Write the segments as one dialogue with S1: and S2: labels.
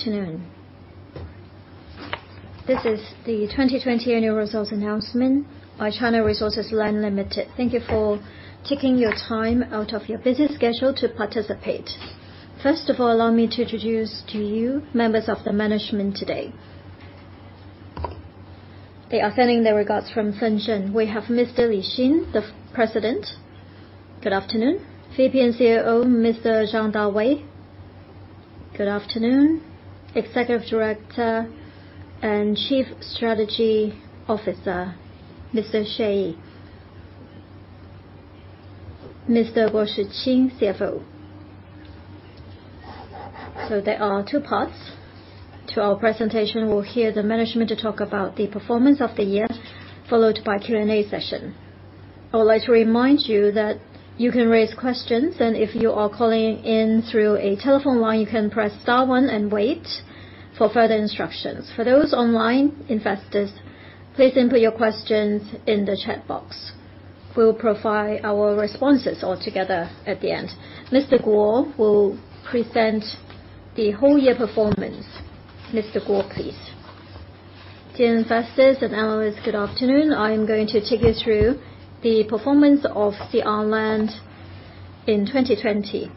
S1: Afternoon. This is the 2020 annual results announcement by China Resources Land Limited. Thank you for taking your time out of your busy schedule to participate. First of all, allow me to introduce to you members of the management today. They are sending their regards from Shenzhen. We have Mr. Li Xin, the President.
S2: Good afternoon.
S1: VP and COO, Mr. Zhang Dawei.
S3: Good afternoon.
S1: Executive Director and Chief Strategy Officer, Mr. Xie. Mr. Guo Shiqing, CFO. There are two parts to our presentation. We'll hear the management talk about the performance of the year, followed by Q&A session. I would like to remind you that you can raise questions, and if you are calling in through a telephone line, you can press star one and wait for further instructions. For those online investors, please input your questions in the chat box. We'll provide our responses altogether at the end. Mr. Guo will present the whole year performance. Mr. Guo, please.
S4: Dear investors and analysts, good afternoon. I am going to take you through the performance of CR Land in 2020.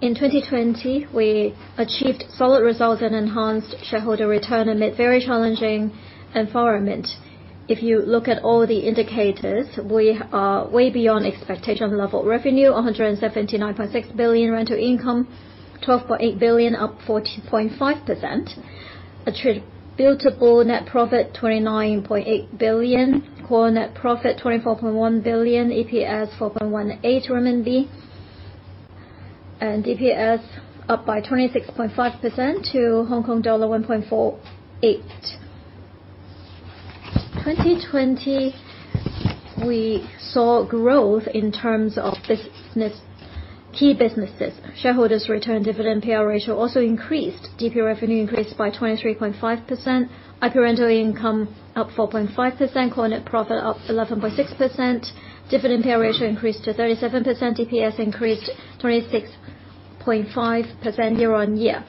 S4: In 2020, we achieved solid results and enhanced shareholder return amid very challenging environment. If you look at all the indicators, we are way beyond expectations level. Revenue, 179.6 billion. Rental income, 12.8 billion, up 14.5%. Attributable net profit, 29.8 billion. Core net profit, 24.1 billion. EPS, 4.18 RMB, and DPS up by 26.5% to HK$1.48. 2020, we saw growth in terms of key businesses. Shareholders' return dividend payout ratio also increased. DP revenue increased by 23.5%. IP rental income up 4.5%. Core net profit up 11.6%. Dividend payout ratio increased to 37%. DPS increased 26.5% year-over-year.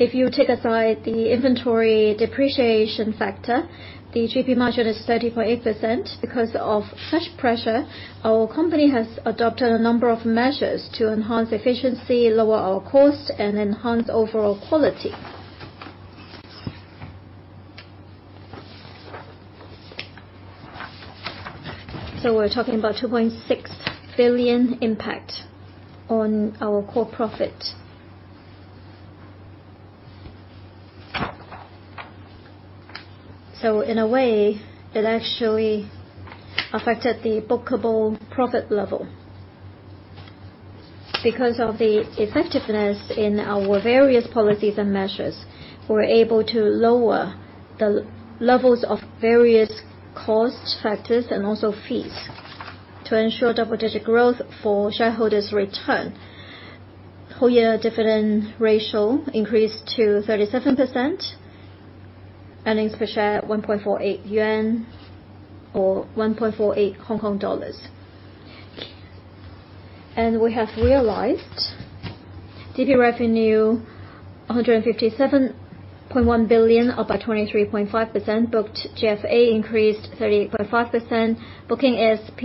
S4: If you take aside the inventory depreciation factor, the GP margin is 30.8%. Because of such pressure, our company has adopted a number of measures to enhance efficiency, lower our cost, and enhance overall quality. We're talking about 2.6 billion impact on our core profit. In a way, it actually affected the bookable profit level. Because of the effectiveness in our various policies and measures, we were able to lower the levels of various cost factors and also fees to ensure double-digit growth for shareholders' return. Whole year dividend ratio increased to 37%, earnings per share 1.48 yuan or HK$1.48. We have realized DP revenue 157.1 billion, up by 23.5%. Booked GFA increased 38.5%. Booking ASP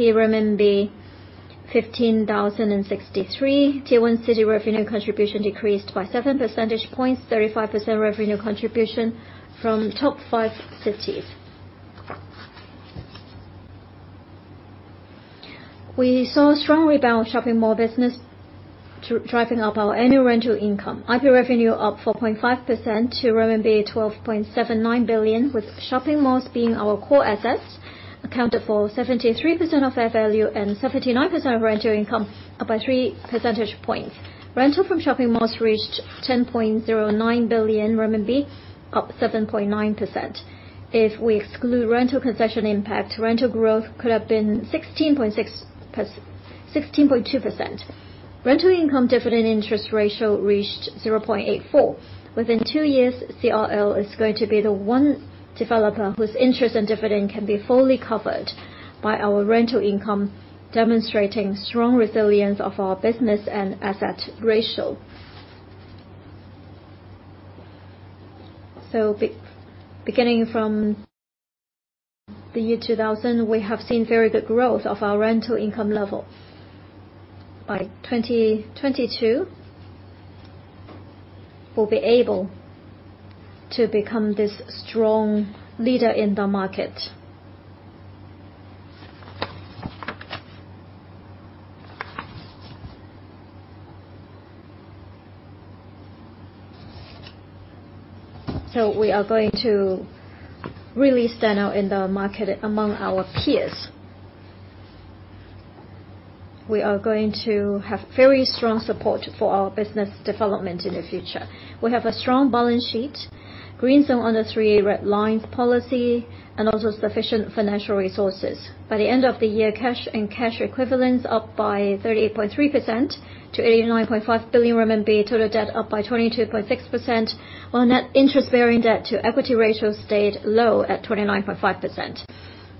S4: 15,063. Tier 1 city revenue contribution decreased by 7 percentage points, 35% revenue contribution from top five cities. We saw a strong rebound on shopping mall business, driving up our annual rental income. IP revenue up 4.5% to RMB 12.79 billion, with shopping malls being our core assets, accounted for 73% of fair value and 79% of rental income, up by three percentage points. Rental from shopping malls reached 7.09 billion RMB, up 7.9%. If we exclude rental concession impact, rental growth could have been 16.2%. Rental income dividend interest ratio reached 0.84. Within two years, CRL is going to be the one developer whose interest and dividend can be fully covered by our rental income, demonstrating strong resilience of our business and asset ratio. Beginning from the year 2000, we have seen very good growth of our rental income level. By 2022, we'll be able to become this strong leader in the market. We are going to really stand out in the market among our peers. We are going to have very strong support for our business development in the future. We have a strong balance sheet, green zone on the three red lines policy, and also sufficient financial resources. By the end of the year, cash and cash equivalents up by 38.3% to 89.5 billion RMB. Total debt up by 22.6%, while net interest-bearing debt to equity ratio stayed low at 29.5%.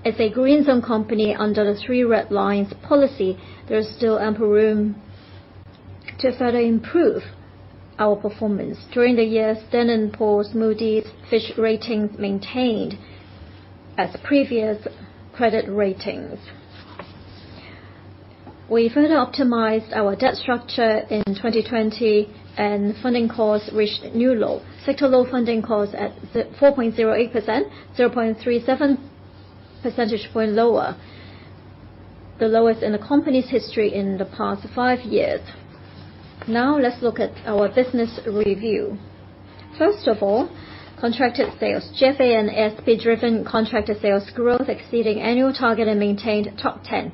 S4: As a green zone company under the three red lines policy, there is still ample room to further improve our performance during the year, Standard & Poor's, Moody's, Fitch Ratings maintained as previous credit ratings. We further optimized our debt structure in 2020 and funding costs reached new low, sector low funding costs at 4.08%, 0.37 percentage point lower, the lowest in the company's history in the past five years. Now let's look at our business review. First of all, contracted sales. GFA and ASP-driven contracted sales growth exceeding annual target and maintained top 10.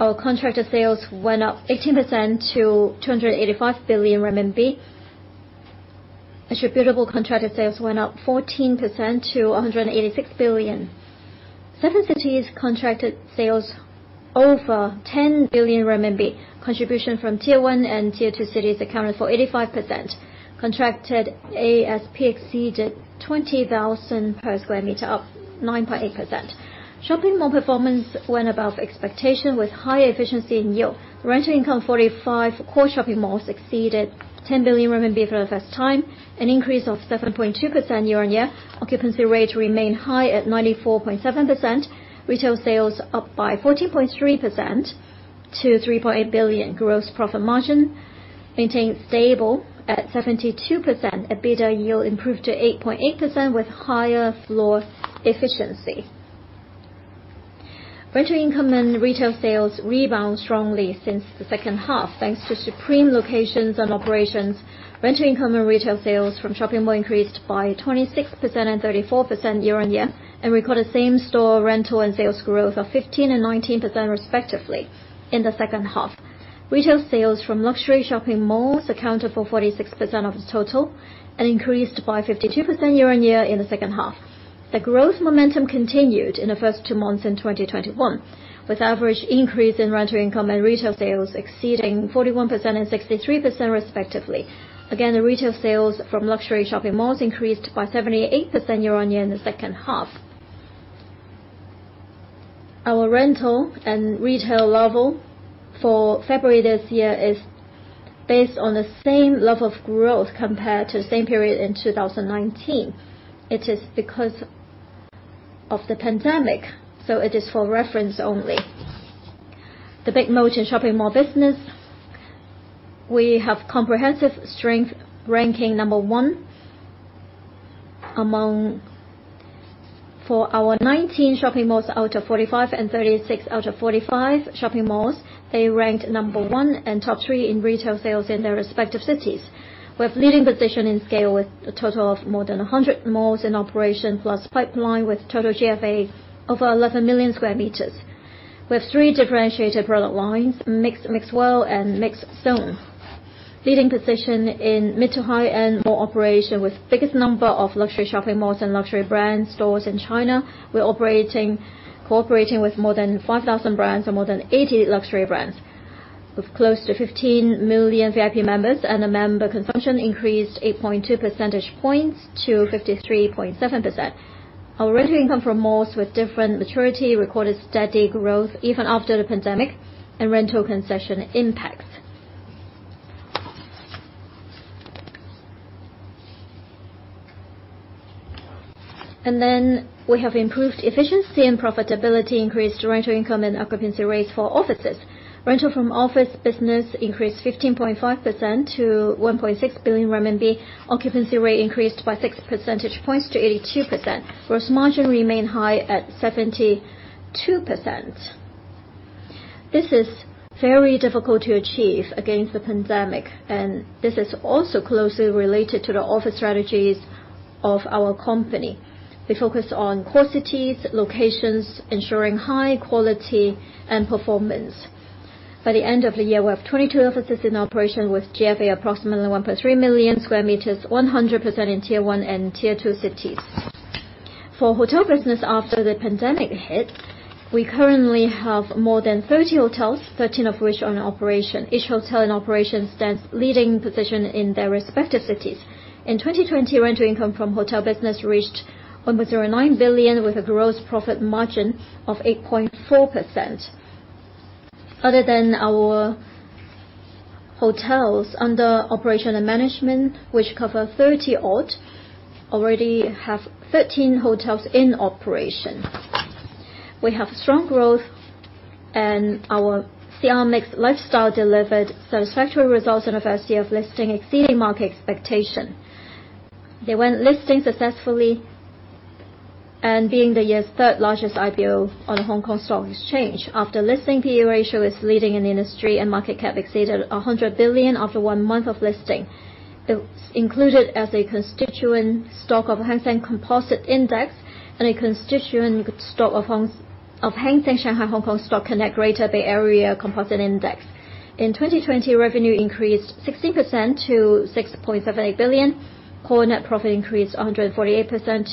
S4: Our contracted sales went up 18% to 285 billion RMB. Attributable contracted sales went up 14% to 186 billion. Seven cities contracted sales over 10 billion RMB. Contribution from Tier 1 and Tier 2 cities accounted for 85%. Contracted ASP exceeded 20,000/sq m, up 9.8%. Shopping mall performance went above expectation with higher efficiency in yield. Rental income, 45 core shopping malls exceeded 10 billion RMB for the first time, an increase of 7.2% year-on-year. Occupancy rate remained high at 94.7%. Retail sales up by 14.3% to 3.8 billion. Gross profit margin maintained stable at 72%. EBITDA yield improved to 8.8% with higher floor efficiency. Rental income and retail sales rebound strongly since the second half, thanks to supreme locations and operations. Rental income and retail sales from shopping mall increased by 26% and 34% year-on-year, and recorded same-store rental and sales growth of 15% and 19% respectively in the second half. Retail sales from luxury shopping malls accounted for 46% of the total and increased by 52% year-on-year in the second half. The growth momentum continued in the first two months in 2021, with average increase in rental income and retail sales exceeding 41% and 63% respectively. The retail sales from luxury shopping malls increased by 78% year-on-year in the second half. Our rental and retail level for February this year is based on the same level of growth compared to same period in 2019. It is because of the pandemic, so it is for reference only. The big moat in shopping mall business, we have comprehensive strength ranking number one among. For our 19 shopping malls out of 45 and 36 out of 45 shopping malls, they ranked number one and top three in retail sales in their respective cities. We have leading position in scale with a total of more than 100 malls in operation, plus pipeline with total GFA over 11 million sq m. We have three differentiated product lines, MIXC, MixC World, and MIXC Zone. Leading position in mid to high-end mall operation with biggest number of luxury shopping malls and luxury brand stores in China. We're cooperating with more than 5,000 brands or more than 80 luxury brands. With close to 15 million VIP members and the member consumption increased 8.2 percentage points to 53.7%. Our rental income from malls with different maturity recorded steady growth even after the pandemic and rental concession impacts. Then we have improved efficiency and profitability, increased rental income and occupancy rates for offices. Rental from office business increased 15.5% to 1.6 billion RMB. Occupancy rate increased by 6 percentage points to 82%. Gross margin remained high at 72%. This is very difficult to achieve against the pandemic, and this is also closely related to the office strategies of our company. We focus on core cities, locations, ensuring high quality and performance. By the end of the year, we have 22 offices in operation with GFA approximately 1.3 million sq m, 100% in Tier 1 and Tier 2 cities. For hotel business after the pandemic hit, we currently have more than 30 hotels, 13 of which are in operation. Each hotel in operation stands leading position in their respective cities. In 2020, rental income from hotel business reached 1.09 billion with a gross profit margin of 8.4%. Other than our hotels under operation and management, which cover 30-odd, we already have 13 hotels in operation. We have strong growth and our CR Mixc Lifestyle delivered satisfactory results in the first year of listing, exceeding market expectation. They went listing successfully and being the year's third largest IPO on The Stock Exchange of Hong Kong. After listing, P/E ratio is leading in the industry and market cap exceeded 100 billion after one month of listing. It's included as a constituent stock of Hang Seng Composite Index and a constituent stock of Hang Seng Stock Connect Greater Bay Area Composite Index. In 2020, revenue increased 16% to 6.78 billion. Core net profit increased 148%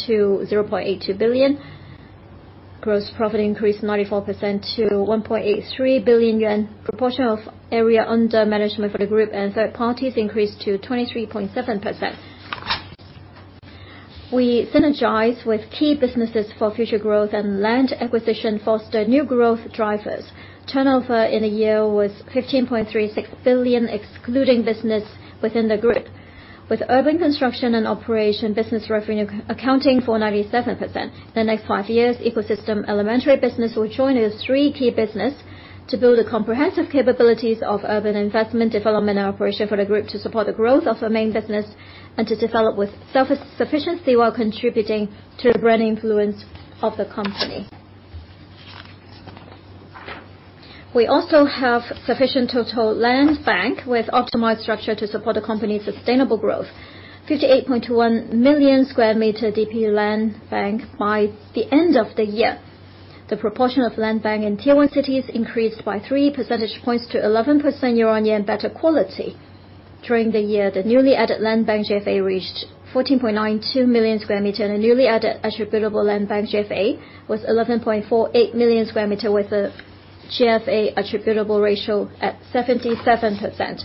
S4: to 0.82 billion. Gross profit increased 94% to 1.83 billion yuan. Proportion of area under management for the group and third parties increased to 23.7%. We synergize with key businesses for future growth and land acquisition foster new growth drivers. Turnover in a year was 15.36 billion, excluding business within the group, with urban construction and operation business revenue accounting for 97%. The next five years, ecosystem elementary business will join as three key business to build a comprehensive capabilities of urban investment development and operation for the group to support the growth of our main business and to develop with self-sufficiency while contributing to the brand influence of the company. We also have sufficient total land bank with optimized structure to support the company's sustainable growth. 58.1 million sq m DPU land bank by the end of the year. The proportion of land bank in Tier 1 cities increased by 3 percentage points to 11% year-on-year in better quality. During the year, the newly added land bank GFA reached 14.92 million square meters, and the newly added attributable land bank GFA was 11.48 million square meters with the GFA attributable ratio at 77%.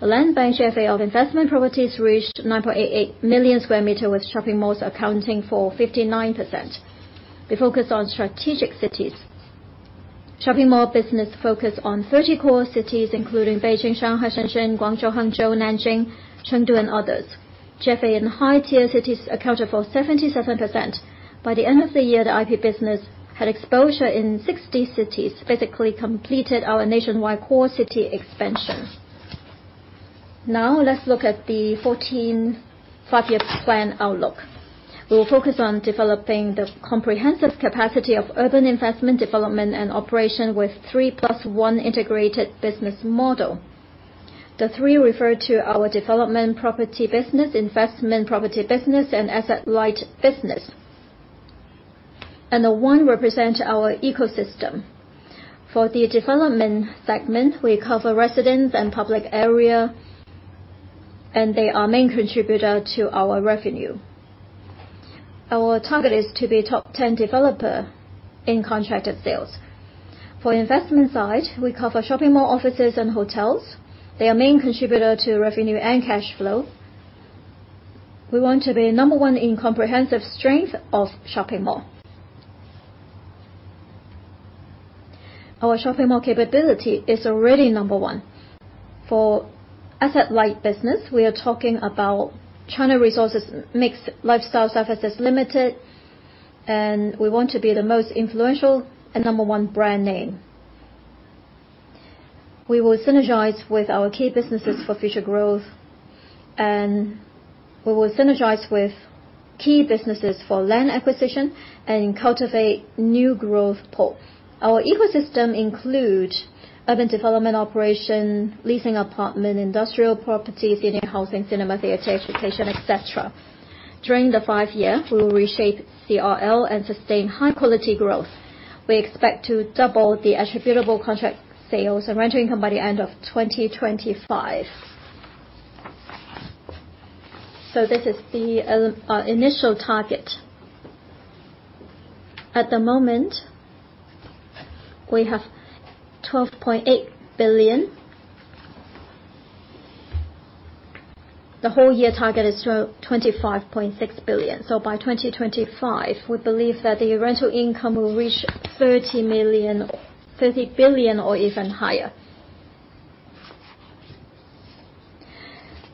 S4: The land bank GFA of investment properties reached 9.88 million square meters, with shopping malls accounting for 59%. We focus on strategic cities. Shopping mall business focus on 30 core cities including Beijing, Shanghai, Shenzhen, Guangzhou, Hangzhou, Nanjing, Chengdu, and others. GFA in high-tier cities accounted for 77%. By the end of the year, the IP business had exposure in 60 cities, basically completed our nationwide core city expansion. Now, let's look at the 14th Five-Year Plan outlook. We will focus on developing the comprehensive capacity of urban investment development and operation with 3+1 integrated business model. The three refer to our development property business, investment property business, and asset light business. The one represent our ecosystem. For the development segment, we cover residents and public area, and they are main contributor to our revenue. Our target is to be top 10 developer in contracted sales. For investment side, we cover shopping mall, offices, and hotels. They are main contributor to revenue and cash flow. We want to be number one in comprehensive strength of shopping mall. Our shopping mall capability is already number one. For asset light business, we are talking about China Resources Mixc Lifestyle Services Limited, and we want to be the most influential and number one brand name. We will synergize with our key businesses for future growth, we will synergize with key businesses for land acquisition and cultivate new growth pool. Our ecosystem include urban development operation, leasing apartment, industrial properties, union housing, cinema, theater, education, et cetera. During the five-year, we will reshape CRL and sustain high quality growth. We expect to double the attributable contract sales and rental income by the end of 2025. This is the initial target. At the moment, we have 12.8 billion. The whole year target is 25.6 billion. By 2025, we believe that the rental income will reach 30 billion or even higher.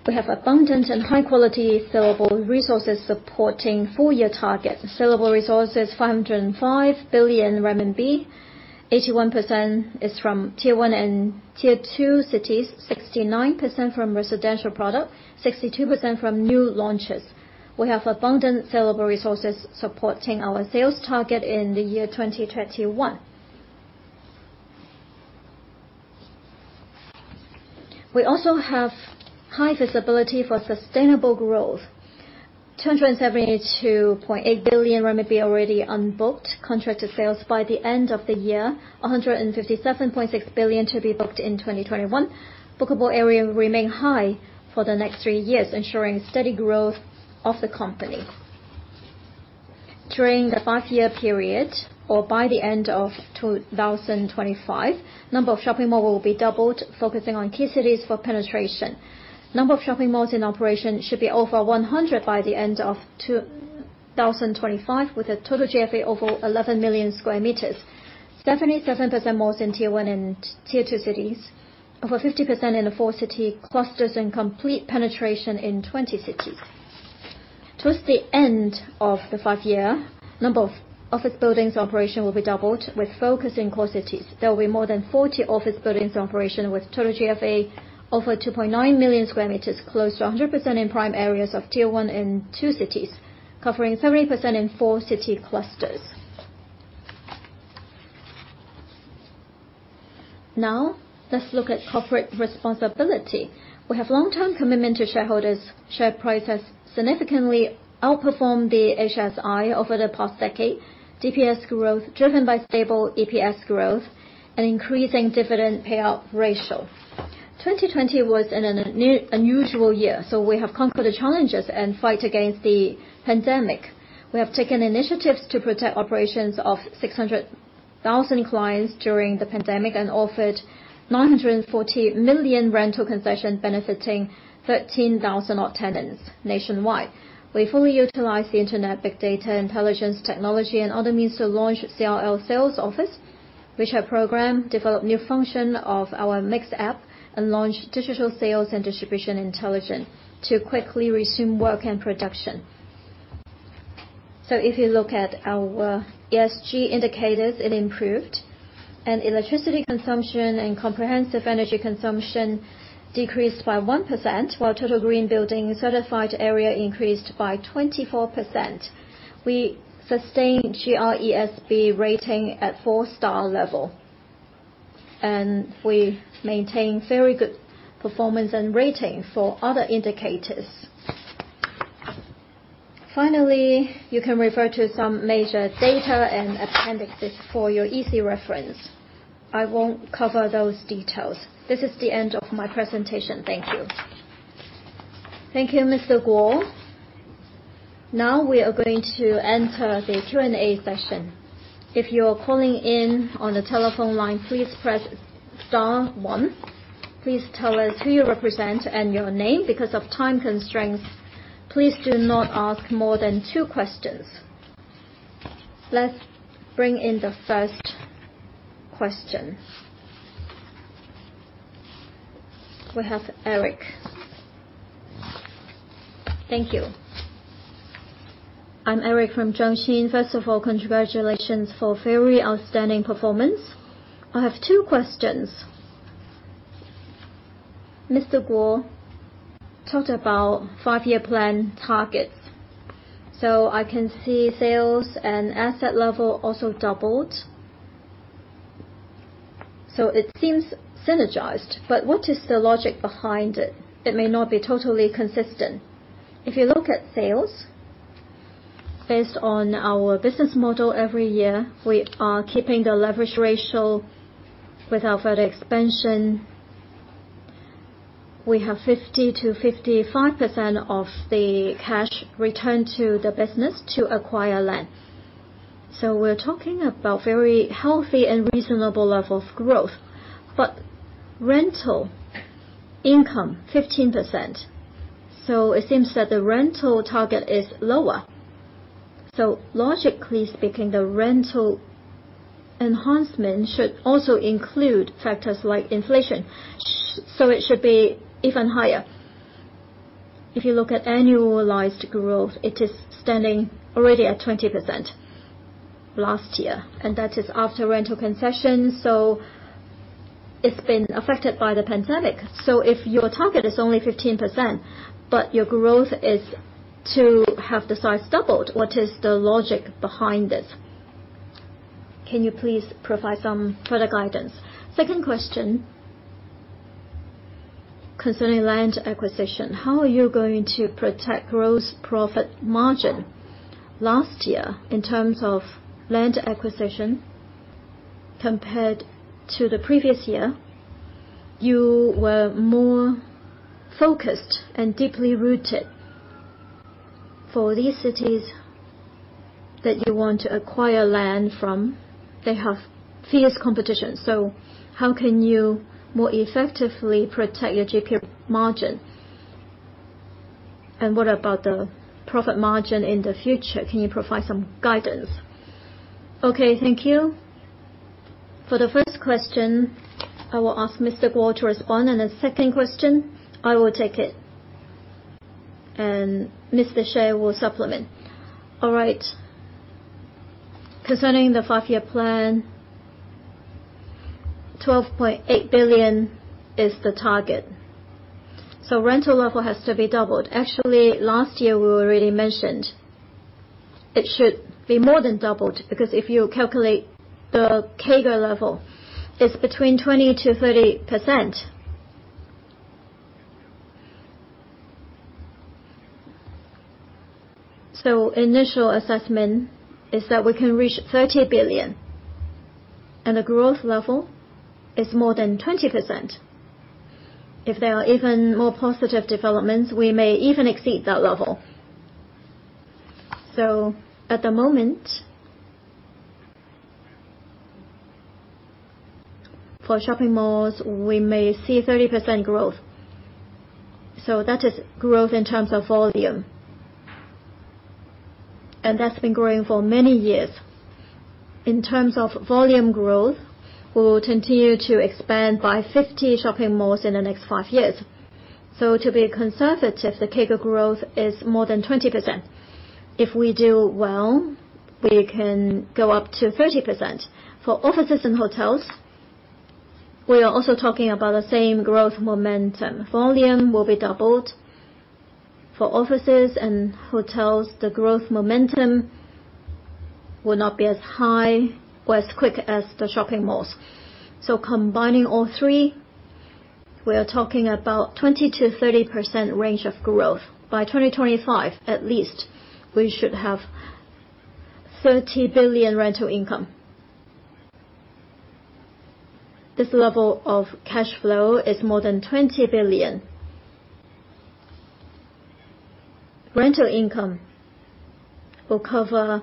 S4: We have abundant and high-quality sellable resources supporting full year target. Sellable resources, 505 billion RMB, 81% is from Tier 1 and Tier 2 cities, 69% from residential product, 62% from new launches. We have abundant sellable resources supporting our sales target in the year 2021. We also have high visibility for sustainable growth. 272.8 billion RMB already unbooked contracted sales by the end of the year, 157.6 billion to be booked in 2021. Bookable area will remain high for the next three years, ensuring steady growth of the company. During the five-year period or by the end of 2025, number of shopping mall will be doubled, focusing on key cities for penetration. Number of shopping malls in operation should be over 100 by the end of 2025, with a total GFA over 11 million sq m, 77% malls in Tier 1 and Tier 2 cities, over 50% in the four city clusters and complete penetration in 20 cities. Towards the end of the five year, number of office buildings operation will be doubled with focus in core cities. There will be more than 40 office buildings in operation with total GFA over 2.9 million sq m, close to 100% in prime areas of Tier 1 and 2 cities, covering 70% in four city clusters. Now, let's look at corporate responsibility. We have long-term commitment to shareholders. Share price has significantly outperformed the HSI over the past decade. DPS growth driven by stable EPS growth and increasing dividend payout ratio. 2020 was an unusual year. We have conquered the challenges and fight against the pandemic. We have taken initiatives to protect operations of 600,000 clients during the pandemic and offered 940 million rental concession benefiting 13,000 tenants nationwide. We fully utilize the internet, big data, intelligence technology, and other means to launch CRL sales office, which have program develop new function of our MIXC app, and launch digital sales and distribution intelligence to quickly resume work and production. If you look at our ESG indicators, it improved. Electricity consumption and comprehensive energy consumption decreased by 1%, while total green building certified area increased by 24%. We sustained GRESB rating at 4-Star level, and we maintain very good performance and rating for other indicators. Finally, you can refer to some major data and appendix for your easy reference. I won't cover those details. This is the end of my presentation. Thank you.
S1: Thank you, Mr. Guo. Now we are going to enter the Q&A session. If you are calling in on the telephone line, please press star one. Please tell us who you represent and your name. Because of time constraints, please do not ask more than two questions. Let's bring in the first question. We have Eric.
S5: Thank you. I'm Eric from Zhongxin. First of all, congratulations for very outstanding performance. I have two questions. Mr. Guo talked about Five-Year Plan targets. I can see sales and asset level also doubled, so it seems synergized. What is the logic behind it? It may not be totally consistent. If you look at sales, based on our business model every year, we are keeping the leverage ratio with our further expansion. We have 50%-55% of the cash returned to the business to acquire land. We're talking about very healthy and reasonable level of growth. Rental income 15%, so it seems that the rental target is lower. Logically speaking, the rental enhancement should also include factors like inflation, so it should be even higher. If you look at annualized growth, it is standing already at 20% last year, and that is after rental concessions, so it's been affected by the pandemic. If your target is only 15%, but your growth is to have the size doubled, what is the logic behind this? Can you please provide some further guidance? Second question, concerning land acquisition. How are you going to protect gross profit margin? Last year, in terms of land acquisition compared to the previous year, you were more focused and deeply rooted for these cities that you want to acquire land from. They have fierce competition, how can you more effectively protect your GP margin? What about the profit margin in the future? Can you provide some guidance? Thank you.
S2: For the first question, I will ask Mr. Guo to respond, and the second question, I will take it, and Mr. Xie will supplement.
S4: Right. Concerning the five-year plan, 12.8 billion is the target, rental level has to be doubled. Last year we already mentioned it should be more than doubled, because if you calculate the CAGR level, it's between 20%-30%. Initial assessment is that we can reach 30 billion, and the growth level is more than 20%. If there are even more positive developments, we may even exceed that level. At the moment, for shopping malls, we may see 30% growth. That is growth in terms of volume, and that's been growing for many years. In terms of volume growth, we will continue to expand by 50 shopping malls in the next five years. To be conservative, the CAGR growth is more than 20%. If we do well, we can go up to 30%. For offices and hotels, we are also talking about the same growth momentum. Volume will be doubled. For offices and hotels, the growth momentum will not be as high or as quick as the shopping malls. Combining all three, we are talking about 20%-30% range of growth. By 2025, at least, we should have 30 billion rental income. This level of cash flow is more than 20 billion. Rental income will cover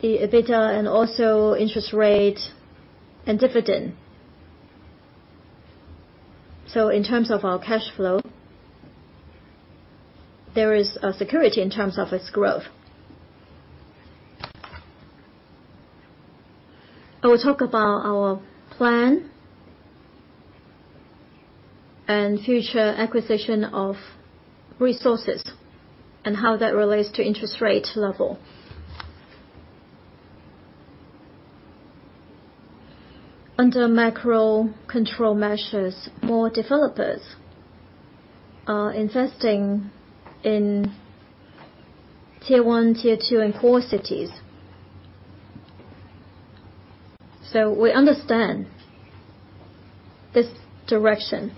S4: the EBITDA and also interest rate and dividend. In terms of our cash flow, there is a security in terms of its growth. I will talk about our plan and future acquisition of resources and how that relates to interest rate level. Under macro control measures, more developers are investing in Tier 1, Tier 2 and core cities. We understand this direction.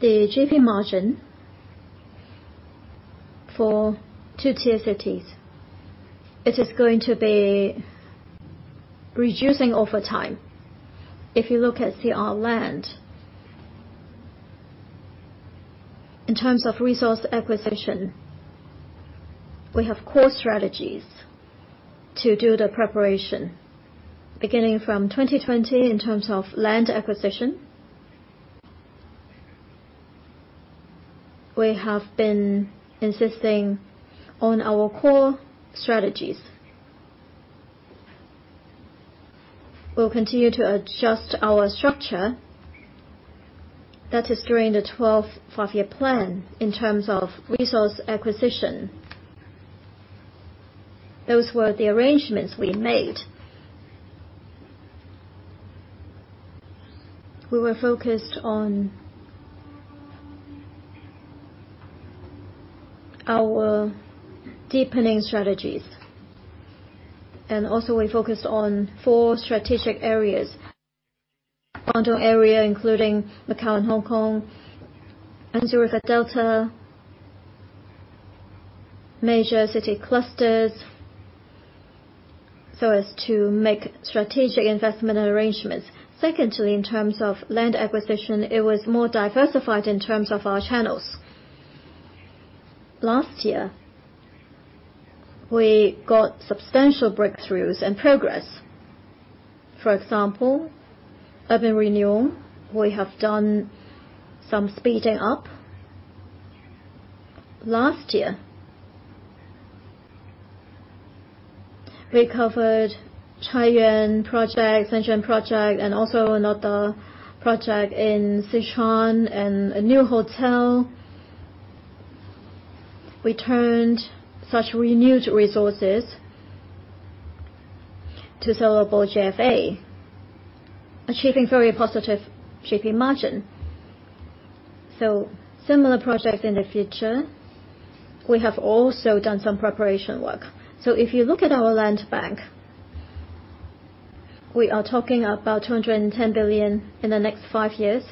S4: The GP margin for two-tier cities, it is going to be reducing over time.
S2: If you look at CR Land, in terms of resource acquisition, we have core strategies to do the preparation. Beginning from 2020, in terms of land acquisition, we have been insisting on our core strategies. We'll continue to adjust our structure. That is during the 12th Five-Year Plan in terms of resource acquisition. Those were the arrangements we made. Also, we focused on our deepening strategies, and we focused on four strategic areas, Guangdong area, including Macau and Hong Kong, Yangtze River Delta, major city clusters. As to make strategic investment arrangements. Secondly, in terms of land acquisition, it was more diversified in terms of our channels. Last year, we got substantial breakthroughs and progress. For example, urban renewal, we have done some speeding up. Last year, we covered Chaiyuan project, Shenzhen project, also another project in Sichuan and a new hotel. We turned such renewed resources to sellable GFA, achieving very positive GP margin. Similar projects in the future, we have also done some preparation work. If you look at our land bank, we are talking about 210 billion in the next five years.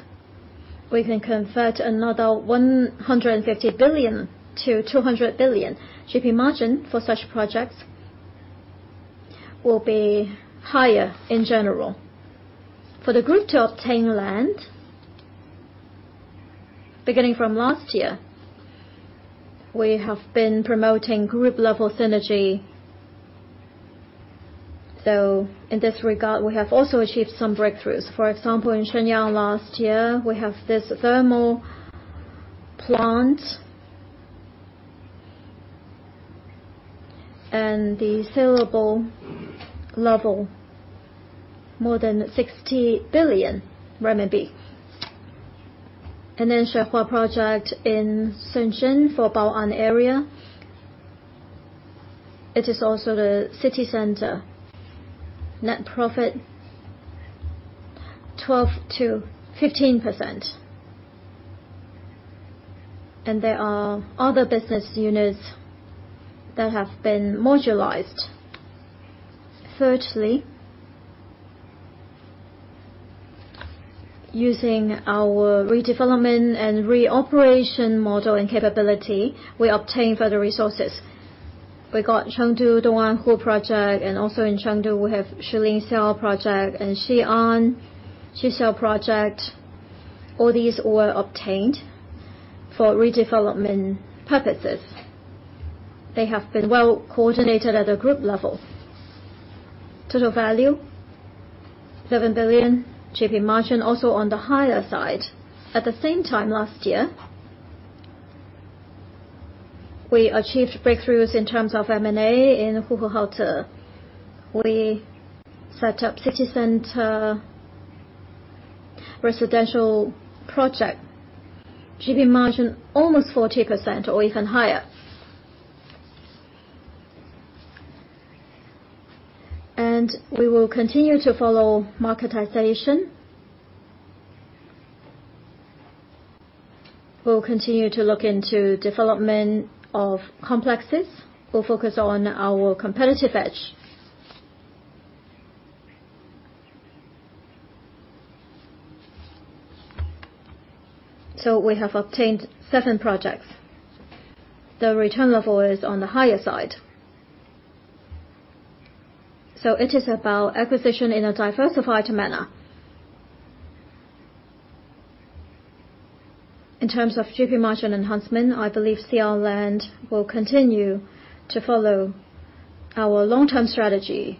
S2: We can convert another 150 billion-200 billion. GP margin for such projects will be higher in general. For the group to obtain land, beginning from last year, we have been promoting group level synergy. In this regard, we have also achieved some breakthroughs. For example, in Shenyang last year, we have this thermal plant, and the sellable level more than RMB 60 billion. Shahe project in Shenzhen for Bao'an area. It is also the city center. Net profit, 12%-15%. There are other business units that have been modularized. Thirdly, using our redevelopment and reoperation model and capability, we obtain further resources. We got Chengdu Dong'an Lake project, and also in Chengdu we have Shiling project and Xi'an Xixian project. All these were obtained for redevelopment purposes. They have been well coordinated at a group level. Total value, RMB 7 billion. GP margin also on the higher side. At the same time last year, we achieved breakthroughs in terms of M&A in. We set up city center residential project. GP margin almost 40% or even higher. We will continue to follow marketization. We'll continue to look into development of complexes. We'll focus on our competitive edge. We have obtained seven projects. The return level is on the higher side. It is about acquisition in a diversified manner.
S6: In terms of GP margin enhancement, I believe CR Land will continue to follow our long-term strategy,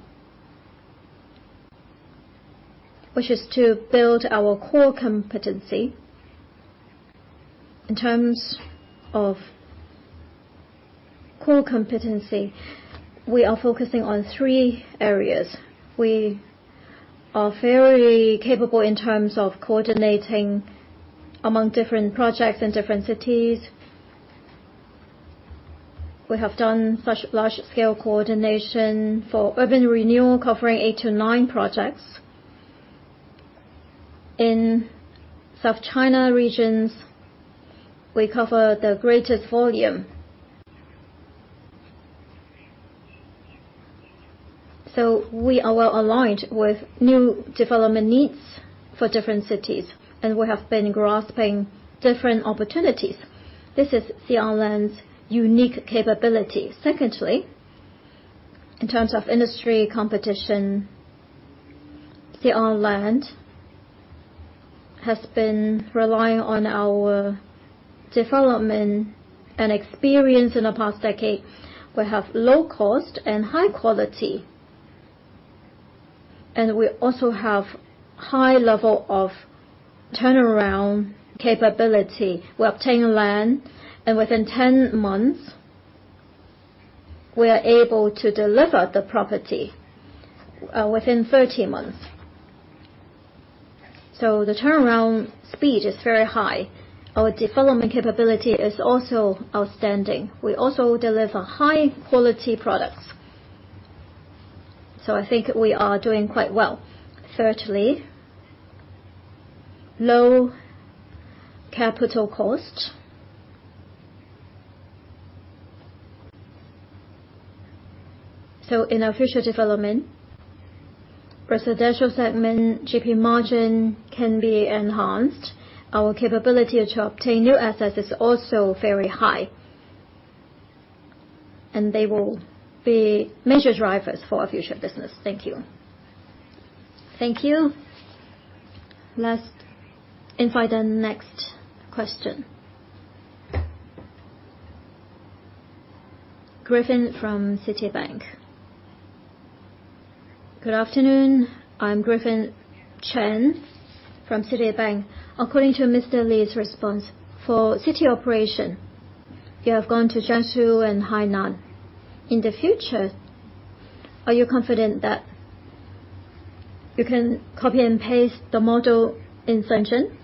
S6: which is to build our core competency. In terms of core competency, we are focusing on three areas. We are fairly capable in terms of coordinating among different projects in different cities. We have done such large-scale coordination for urban renewal, covering eight to nine projects. In South China regions, we cover the greatest volume. We are well-aligned with new development needs for different cities, and we have been grasping different opportunities. This is CR Land's unique capability. Secondly, in terms of industry competition, CR Land has been relying on our development and experience in the past decade. We have low cost and high quality, and we also have high level of turnaround capability. We obtain land, and within 10 months, we are able to deliver the property within 13 months. The turnaround speed is very high. Our development capability is also outstanding. We also deliver high-quality products. I think we are doing quite well. Thirdly, low capital cost. In our future development, residential segment, GP margin can be enhanced. Our capability to obtain new assets is also very high, and they will be major drivers for our future business. Thank you.
S2: Thank you. Let's invite the next question. Griffin from Citibank.
S7: Good afternoon. I'm Griffin Chan from Citibank. According to Mr. Li's response, for city operation, you have gone to Jiangsu and Hainan. In the future, are you confident that you can copy and paste the model in Shenzhen?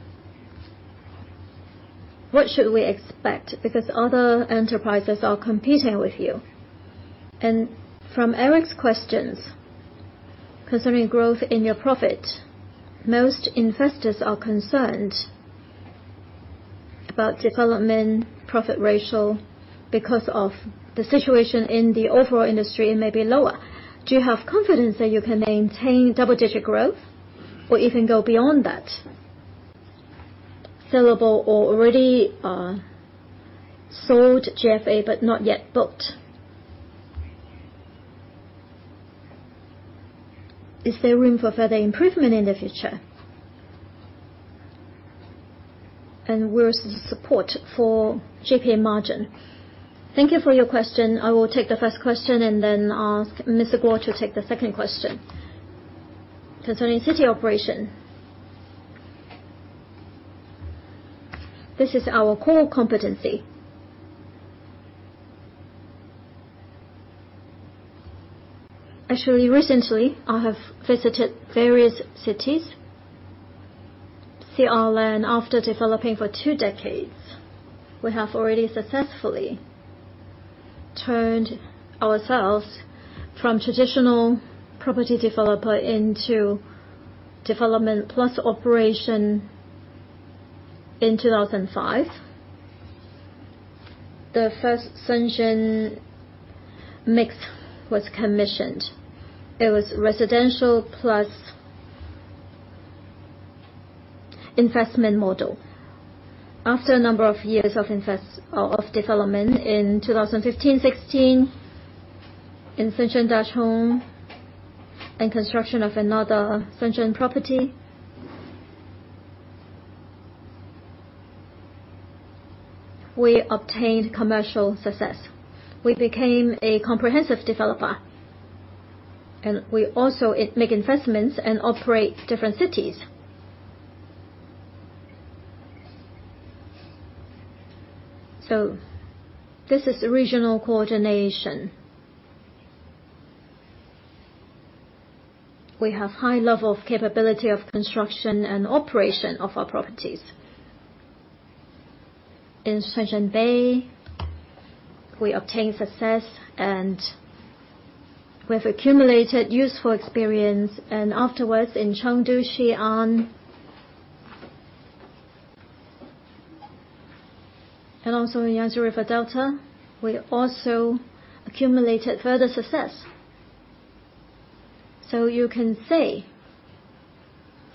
S7: What should we expect because other enterprises are competing with you? From Eric's questions concerning growth in your profit, most investors are concerned about development profit ratio, because of the situation in the overall industry, it may be lower. Do you have confidence that you can maintain double-digit growth or even go beyond that? Sellable or already sold GFA but not yet booked. Is there room for further improvement in the future? Where is the support for GP margin?
S2: Thank you for your question. I will take the first question and then ask Mr. Guo to take the second question. Concerning city operation, this is our core competency. Actually, recently, I have visited various cities. CR Land, after developing for two decades, we have already successfully turned ourselves from traditional property developer into development plus operation in 2005. The first Shenzhen MixC was commissioned. It was residential plus investment model. After a number of years of development in 2015-2016, in Shenzhen Dachong and construction of another Shenzhen property, we obtained commercial success. We became a comprehensive developer, and we also make investments and operate different cities. This is regional coordination. We have high level of capability of construction and operation of our properties. In Shenzhen Bay, we obtained success, and we have accumulated useful experience, and afterwards in Chengdu, Xi'an, and also in Yangtze River Delta, we also accumulated further success. You can see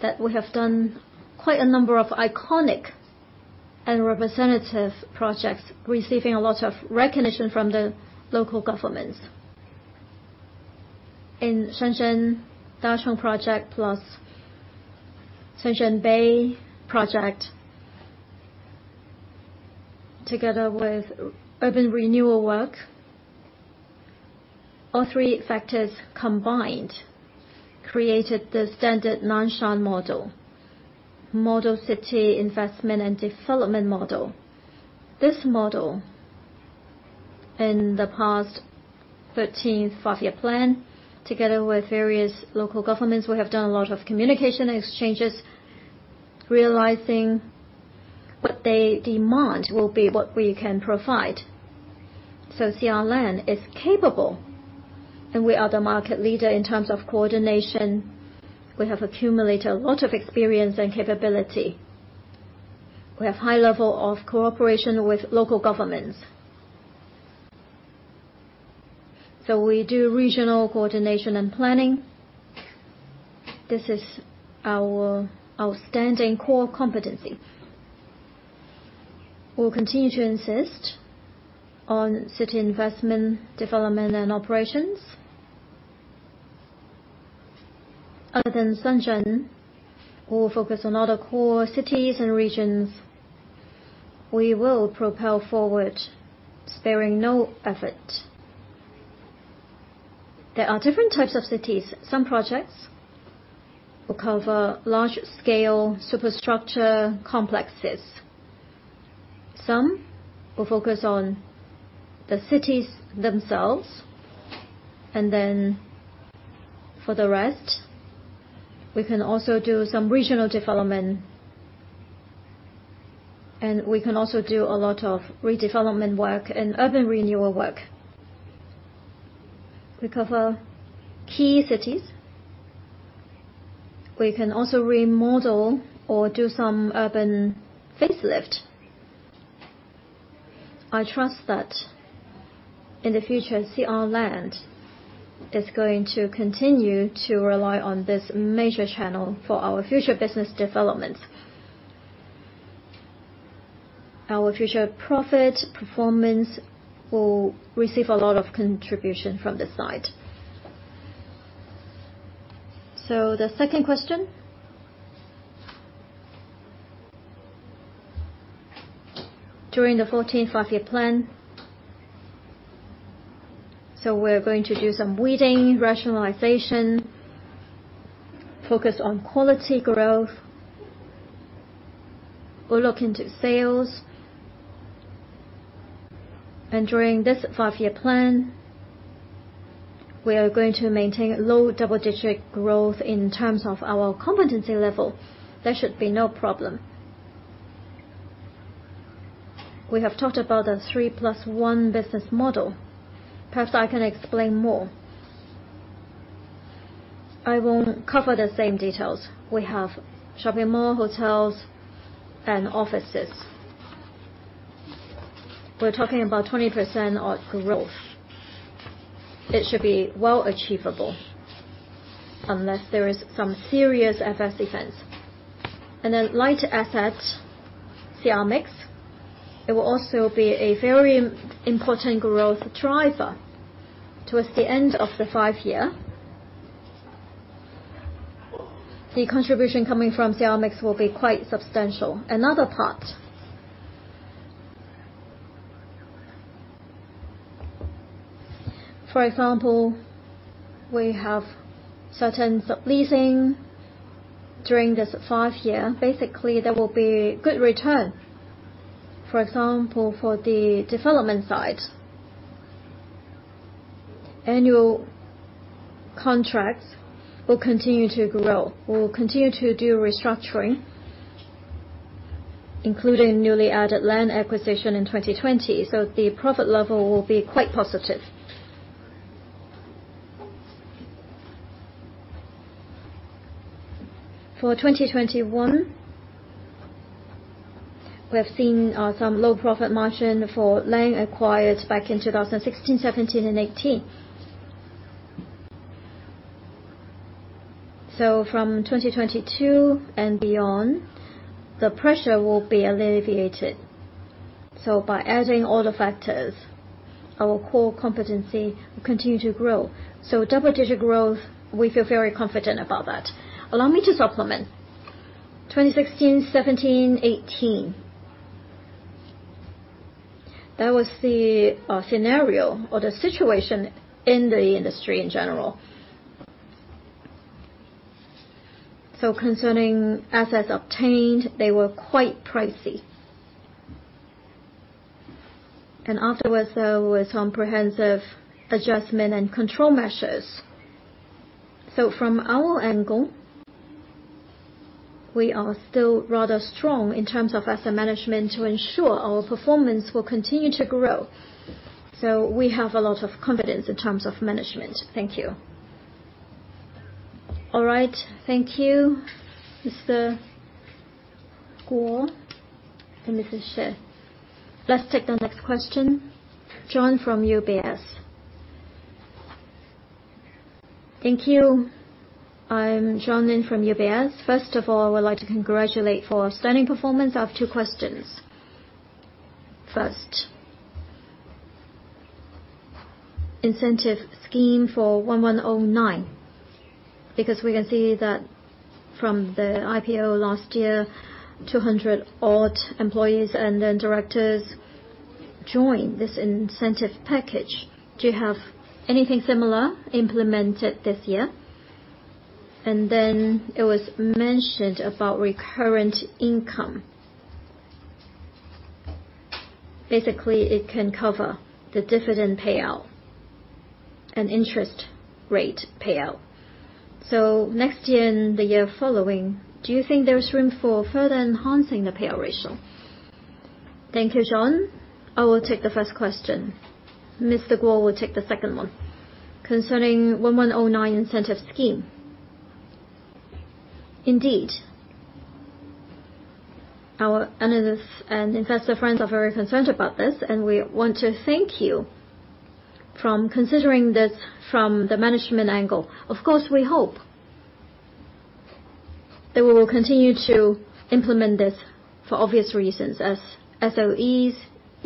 S2: that we have done quite a number of iconic and representative projects, receiving a lot of recognition from the local governments. In Shenzhen, Dachong Project plus Shenzhen Bay Project, together with urban renewal work, all three factors combined created the standard Nanshan model city investment and development model. This model in the past 13th Five-Year Plan, together with various local governments, we have done a lot of communication exchanges, realizing what they demand will be what we can provide. CR Land is capable, and we are the market leader in terms of coordination. We have accumulated a lot of experience and capability. We have high level of cooperation with local governments. We do regional coordination and planning. This is our outstanding core competency. We'll continue to insist on city investment, development and operations. Other than Shenzhen, we'll focus on other core cities and regions. We will propel forward, sparing no effort. There are different types of cities. Some projects will cover large-scale superstructure complexes. Some will focus on the cities themselves. For the rest, we can also do some regional development. We can also do a lot of redevelopment work and urban renewal work. We cover key cities. We can also remodel or do some urban facelift. I trust that in the future, CR Land is going to continue to rely on this major channel for our future business developments. Our future profit performance will receive a lot of contribution from this side.
S4: The second question. During the 14th Five-Year Plan, we're going to do some weeding, rationalization, focus on quality growth. We'll look into sales. During this Five-Year Plan, we are going to maintain low double-digit growth in terms of our competency level. There should be no problem. We have talked about the 3+1 business model. Perhaps I can explain more. I won't cover the same details. We have shopping mall, hotels, and offices. We're talking about 20% odd growth. It should be well achievable unless there is some serious adverse events. In a light asset, CR MixC, it will also be a very important growth driver towards the end of the five-year. The contribution coming from CR MixC will be quite substantial. Another part. For example, we have certain subleasing during this five-year. Basically, there will be good return. For example, for the development side, annual contracts will continue to grow. We'll continue to do restructuring, including newly added land acquisition in 2020. The profit level will be quite positive. For 2021, we have seen some low profit margin for land acquired back in 2016, 2017 and 2018. From 2022 and beyond, the pressure will be alleviated. By adding all the factors, our core competency will continue to grow. Double-digit growth, we feel very confident about that. Allow me to supplement. 2016, 2017, 2018, that was the scenario or the situation in the industry in general. Concerning assets obtained, they were quite pricey. Afterwards, there was comprehensive adjustment and control measures. From our angle, we are still rather strong in terms of asset management to ensure our performance will continue to grow. We have a lot of confidence in terms of management. Thank you.
S1: All right. Thank you, Mr. Guo and Mr. Xin. Let's take the next question. John from UBS.
S8: Thank you. I'm John Lam from UBS. First of all, I would like to congratulate for a stunning performance. I have two questions. Incentive scheme for 1109, because we can see that from the IPO last year, 200 odd employees and then directors joined this incentive package. Do you have anything similar implemented this year? It was mentioned about recurrent income. Basically, it can cover the dividend payout and interest rate payout. Next year and the year following, do you think there's room for further enhancing the payout ratio?
S2: Thank you, John. I will take the first question. Mr. Guo will take the second one. Concerning 1109 incentive scheme. Indeed, our analysts and investor friends are very concerned about this, and we want to thank you from considering this from the management angle. Of course, we hope that we will continue to implement this for obvious reasons. As SOEs,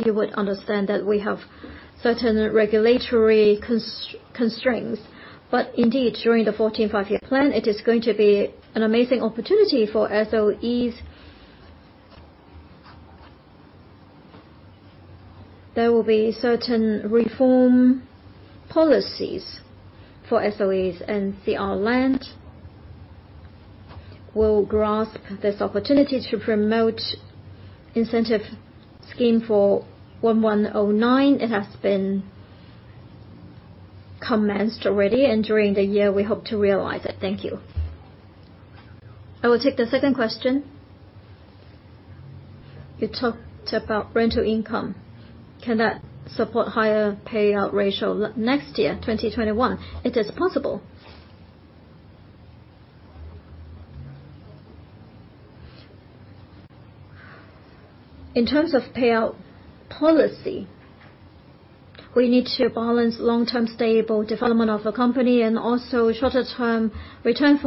S2: you would understand that we have certain regulatory constraints, but indeed, during the 14th Five-Year Plan, it is going to be an amazing opportunity for SOEs. There will be certain reform policies for SOEs, and CR Land will grasp this opportunity to promote incentive scheme for 1109. It has been commenced already, and during the year, we hope to realize it. Thank you.
S4: I will take the second question. You talked about rental income. Can that support higher payout ratio next year, 2021? It is possible. In terms of payout policy, we need to balance long-term stable development of the company and also shorter term return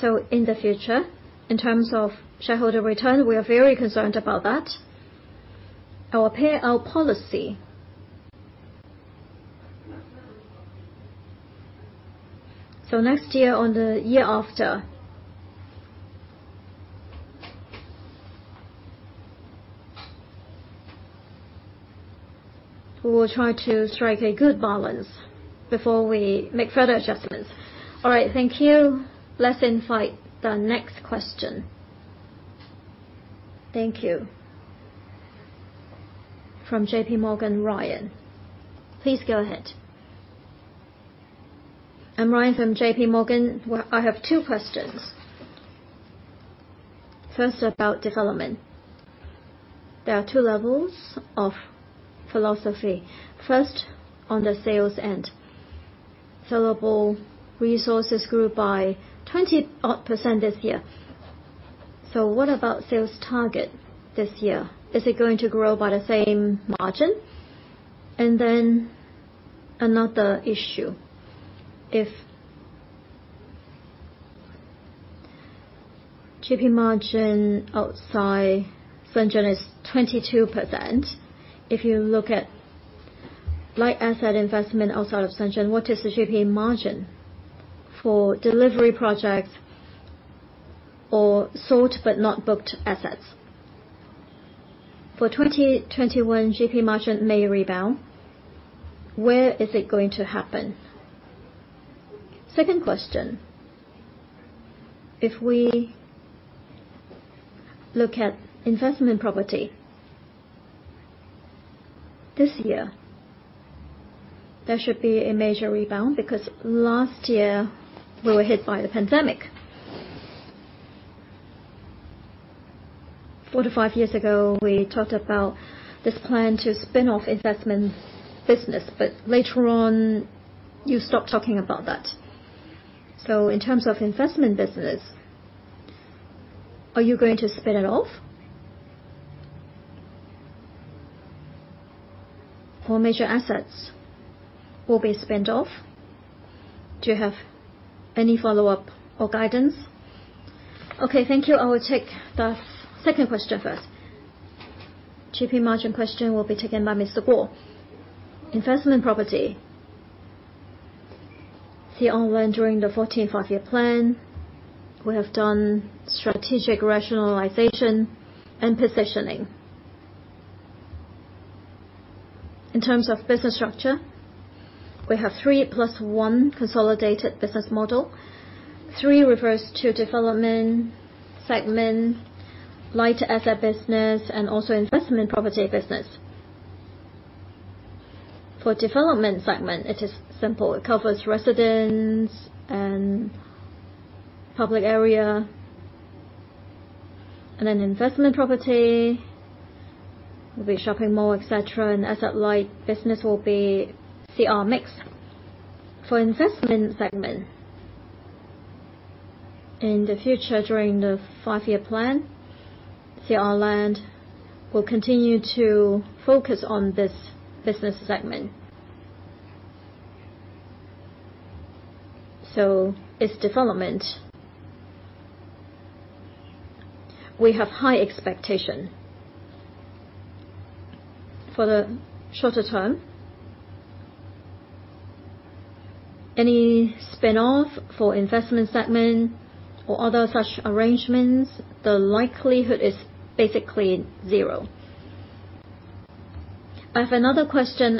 S4: for our shareholders. In the future, in terms of shareholder return, we are very concerned about that, our payout policy. Next year or the year after, we will try to strike a good balance before we make further adjustments.
S2: All right. Thank you. Let's invite the next question.
S1: Thank you. From JPMorgan, Ryan. Please go ahead.
S9: I am Ryan from JPMorgan. I have two questions. First, about development. There are two levels of philosophy. First, on the sales end, sellable resources grew by 20%-odd this year. What about sales target this year? Is it going to grow by the same margin? Another issue, if GP margin outside Shenzhen is 22%, if you look at light asset investment outside of Shenzhen, what is the GP margin for delivery projects or sold but not booked assets? For 2021, GP margin may rebound. Where is it going to happen? Second question, if we look at investment property this year, there should be a major rebound because last year we were hit by the pandemic. Four to five years ago, we talked about this plan to spin off investment business. Later on, you stopped talking about that. In terms of investment business, are you going to spin it off? Or major assets will be spinned off? Do you have any follow-up or guidance?
S2: Okay. Thank you. I will take the second question first. GP margin question will be taken by Mr. Guo. Investment property. Ongoing during the 14th Five-Year Plan, we have done strategic rationalization and positioning. In terms of business structure, we have 3+1 consolidated business model. Three refers to development segment, light asset business, also investment property business. For development segment, it is simple. It covers residence and public area. Then investment property will be shopping mall, et cetera. Asset-light business will be CR MixC. For investment segment, in the future during the five-year plan, China Resources Land will continue to focus on this business segment. Its development, we have high expectation. For the shorter term, any spin-off for investment segment or other such arrangements, the likelihood is basically zero.
S4: I have another question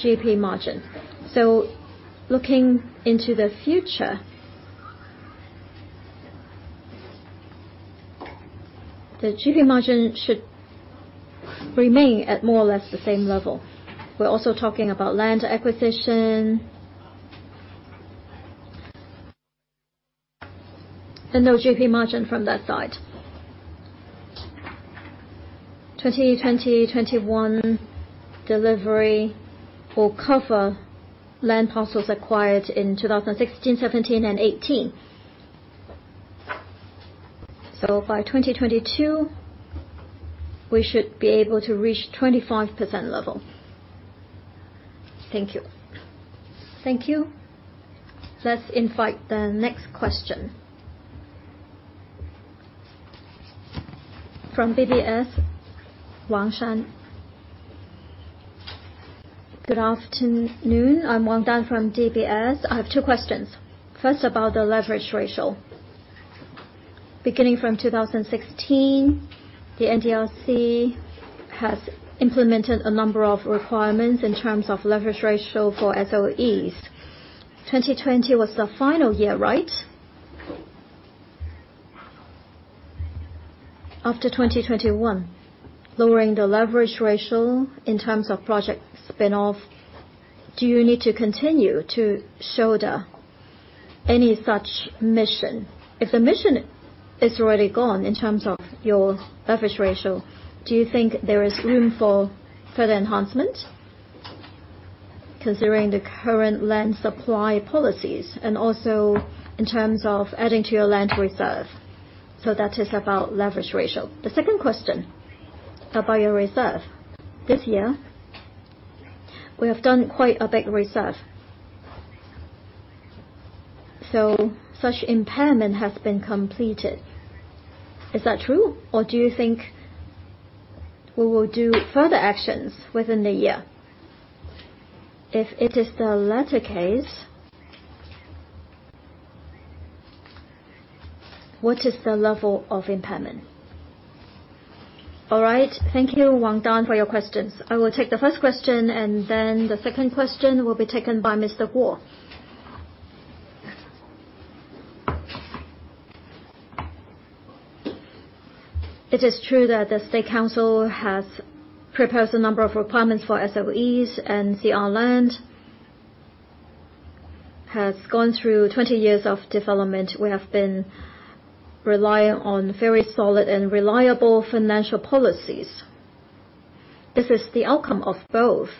S4: about GP margin. Beginning from 2019 to 2020, newly signed GFA, we are talking about 22%-25% GP margin. Looking into the future, the GP margin should remain at more or less the same level. We're also talking about land acquisition, and no GP margin from that side. 2020-2021 delivery will cover land parcels acquired in 2016, 2017 and 2018. By 2022, we should be able to reach 25% level.
S9: Thank you.
S2: Thank you. Let's invite the next question.
S1: From DBS, Wang Shan.
S10: Good afternoon. I'm Wang Shan from DBS. I have two questions. About the leverage ratio. Beginning from 2016, the NDRC has implemented a number of requirements in terms of leverage ratio for SOEs. 2020 was the final year, right? After 2021, lowering the leverage ratio in terms of project spin-off, do you need to continue to show any such mission? If the mission is already gone in terms of your leverage ratio, do you think there is room for further enhancement considering the current land-supply policies, and also in terms of adding to your land reserve? That is about leverage ratio. About your reserve. This year, we have done quite a big reserve. Such impairment has been completed. Is that true? Do you think we will do further actions within the year? If it is the latter case, what is the level of impairment?
S2: Thank you, Wang Shan, for your questions. I will take the first question, then the second question will be taken by Mr. Guo. It is true that the State Council has proposed a number of requirements for SOEs, China Resources Land has gone through 20 years of development. We have been reliant on very solid and reliable financial policies. This is the outcome of both.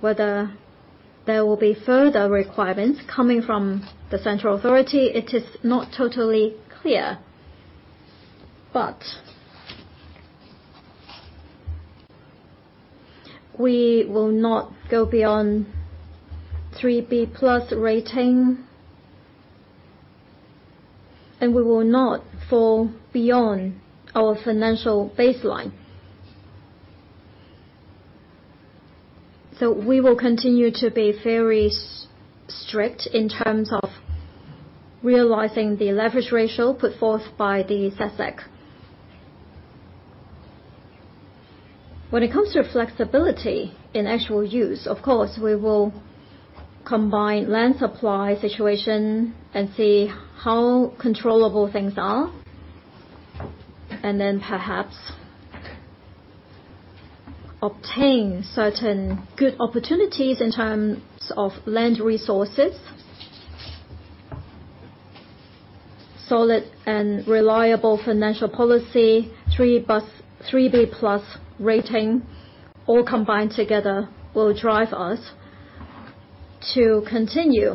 S2: Whether there will be further requirements coming from the central authority, it is not totally clear. We will not go beyond BBB+ rating, we will not fall beyond our financial baseline. We will continue to be very strict in terms of realizing the leverage ratio put forth by the SASAC. When it comes to flexibility in actual use, of course, we will combine land supply situation and see how controllable things are, then perhaps obtain certain good opportunities in terms of land resources. Solid and reliable financial policy, BBB+ rating, all combined together will drive us to continue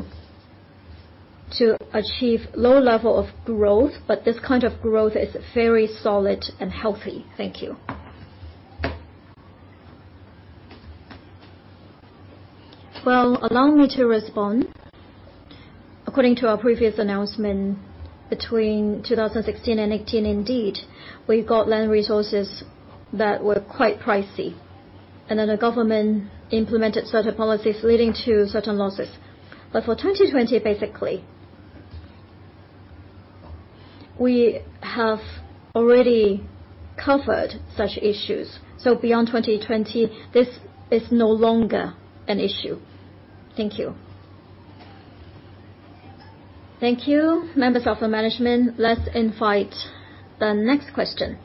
S2: to achieve low level of growth. This kind of growth is very solid and healthy. Thank you.
S4: Well, allow me to respond. According to our previous announcement, between 2016 and 2018, indeed, we got land resources that were quite pricey. The government implemented certain policies leading to certain losses. For 2020, basically, we have already covered such issues. Beyond 2020, this is no longer an issue.
S10: Thank you.
S1: Thank you, members of the management. Let's invite the next question.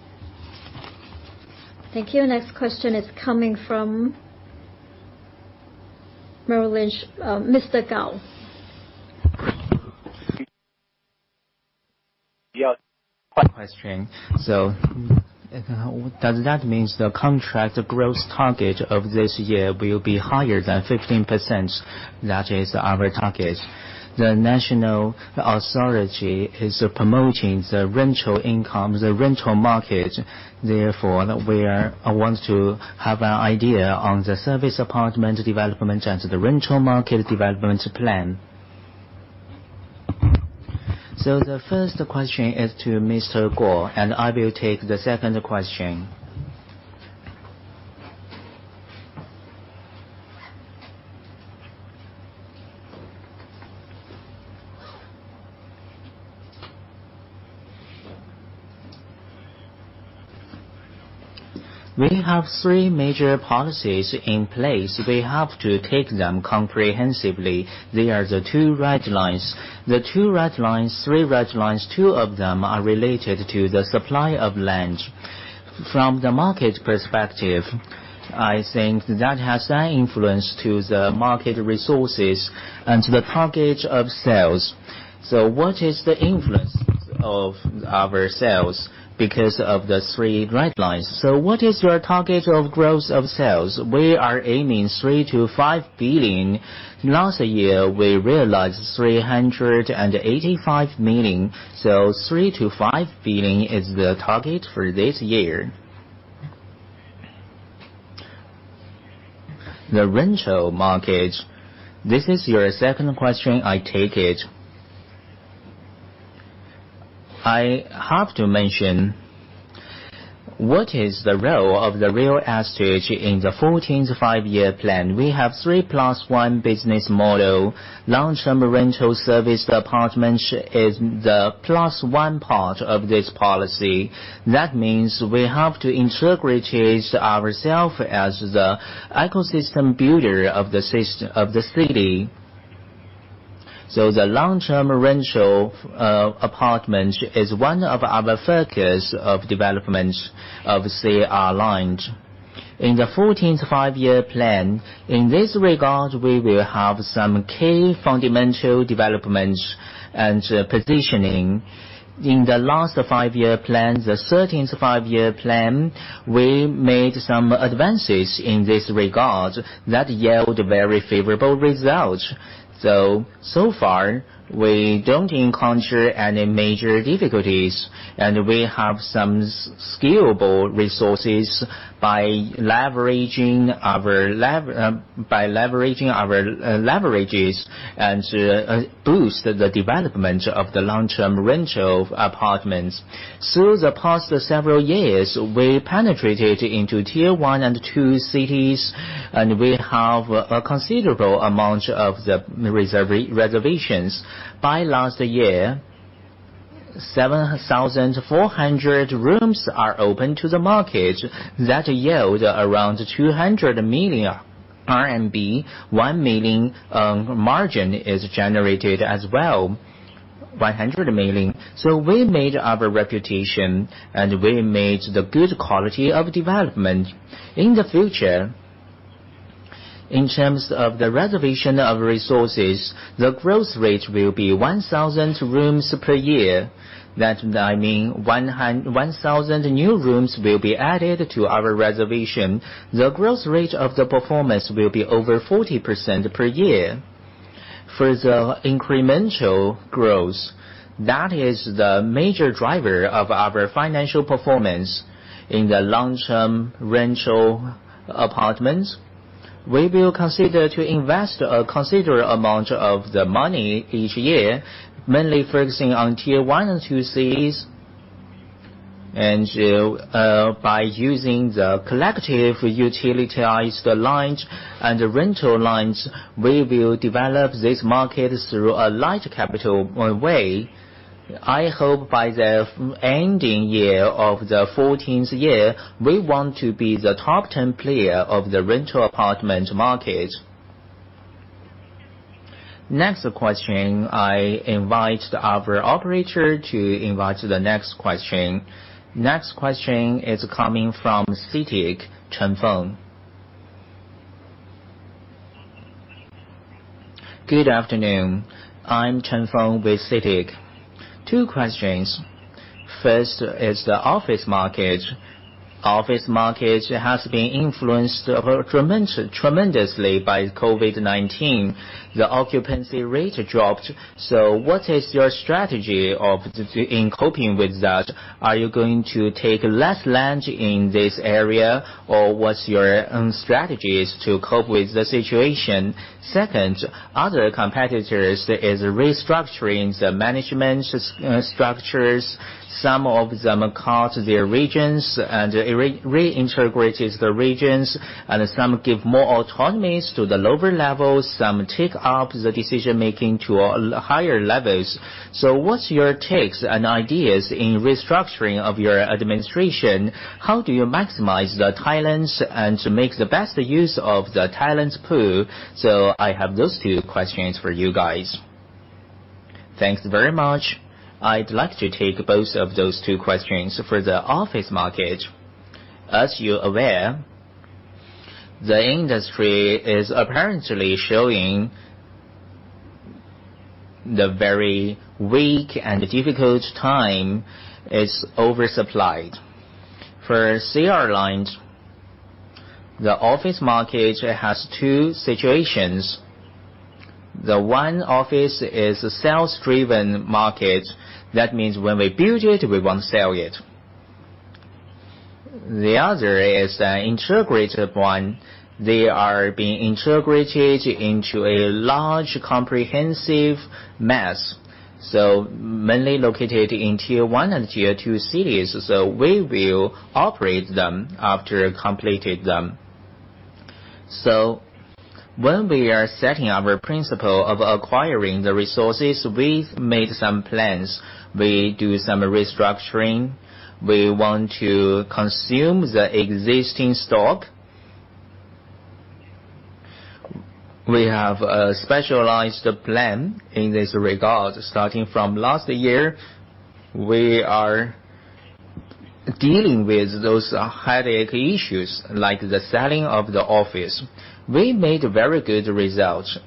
S2: Thank you. Next question is coming from Merrill Lynch, Mr. Gao.
S11: Yeah. One question. Does that mean the contract growth target of this year will be higher than 15%? That is our target. The national authority is promoting the rental income, the rental market, therefore, we want to have an idea on the service apartment development and the rental market development plan.
S2: The first question is to Mr. Guo, and I will take the second question. We have three major policies in place. We have to take them comprehensively. They are the two red lines. The three red lines, two of them are related to the supply of land. From the market perspective, I think that has an influence to the market resources and the target of sales. What is the influence of our sales because of the three red lines? What is your target of growth of sales? We are aiming 3 billion-5 billion. Last year, we realized 285 billion, so 3 billion-5 billion is the target for this year. The rental market. This is your second question, I take it. I have to mention, what is the role of the real estate in the 14th Five-Year Plan? We have 3+1 business model. Long-term rental service department is the plus one part of this policy. That means we have to integrate ourselves as the ecosystem builder of the city. The long-term rental apartment is one of our focus of development of CR Land. In the 14th Five-Year Plan, in this regard, we will have some key fundamental developments and positioning. In the last five-year plan, the 13th Five-Year Plan, we made some advances in this regard that yield very favorable results. So far we don't encounter any major difficulties, and we have some scalable resources by leveraging our leverages and boost the development of the long-term rental apartments. Through the past several years, we penetrated into Tier 1 and 2 cities, and we have a considerable amount of the reservations. By last year, 7,400 rooms are open to the market. That yield around 200 million RMB, 100 million margin is generated as well. We made our reputation, and we made the good quality of development. In the future, in terms of the reservation of resources, the growth rate will be 1,000 rooms per year. That I mean 1,000 new rooms will be added to our reservation. The growth rate of the performance will be over 40% per year. For the incremental growth, that is the major driver of our financial performance in the long-term rental apartments. We will consider to invest a considerable amount of the money each year, mainly focusing on Tier 1 and 2 cities. By using the collective utilize the land and the rental lands, we will develop this market through a light-capital way. I hope by the ending year of the 14th year, we want to be the top 10 player of the rental apartment market. Next question. I invite our operator to invite the next question.
S1: Next question is coming from CITIC, Chen Cong.
S12: Good afternoon. I'm Chen Cong with CITIC. Two questions. First is the office market. Office market has been influenced tremendously by COVID-19. The occupancy rate dropped. What is your strategy in coping with that? Are you going to take less land in this area, or what's your strategies to cope with the situation? Second, other competitors is restructuring the management structures. Some of them cut their regions and reintegrated the regions, and some give more autonomy to the lower levels, some take up the decision-making to higher levels. What's your takes and ideas in restructuring of your administration? How do you maximize the talent and make the best use of the talent pool? I have those two questions for you guys.
S2: Thanks very much. I'd like to take both of those two questions. For the office market, as you're aware, the industry is apparently showing the very weak and difficult time. It's oversupplied. For CR Land, the office market has two situations. The one office is a sales-driven market. That means when we build it, we won't sell it. The other is an integrated one. They are being integrated into a large comprehensive mass, so mainly located in Tier 1 and Tier 2 cities. We will operate them after completing them. When we are setting our principle of acquiring the resources, we made some plans. We do some restructuring. We want to consume the existing stock. We have a specialized plan in this regard. Starting from last year, we are dealing with those headache issues, like the selling of the office. We made very good results.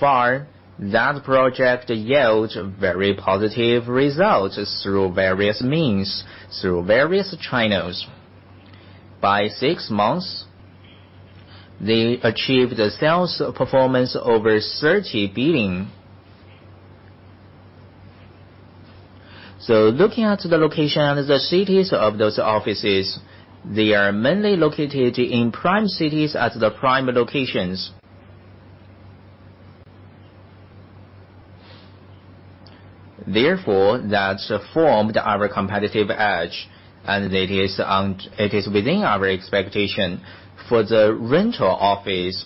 S2: Far, that project yields very positive results through various means, through various channels. By six months, they achieved a sales performance over 30 billion. Looking at the location of the cities of those offices, they are mainly located in prime cities at the prime locations. Therefore, that formed our competitive edge, and it is within our expectation. For the rental office,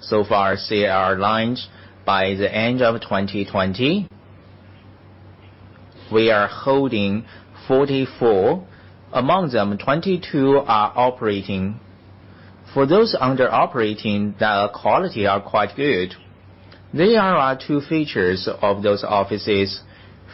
S2: so far, CR Land, by the end of 2020, we are holding 44. Among them, 22 are operating. For those under operating, the quality are quite good. There are two features of those offices.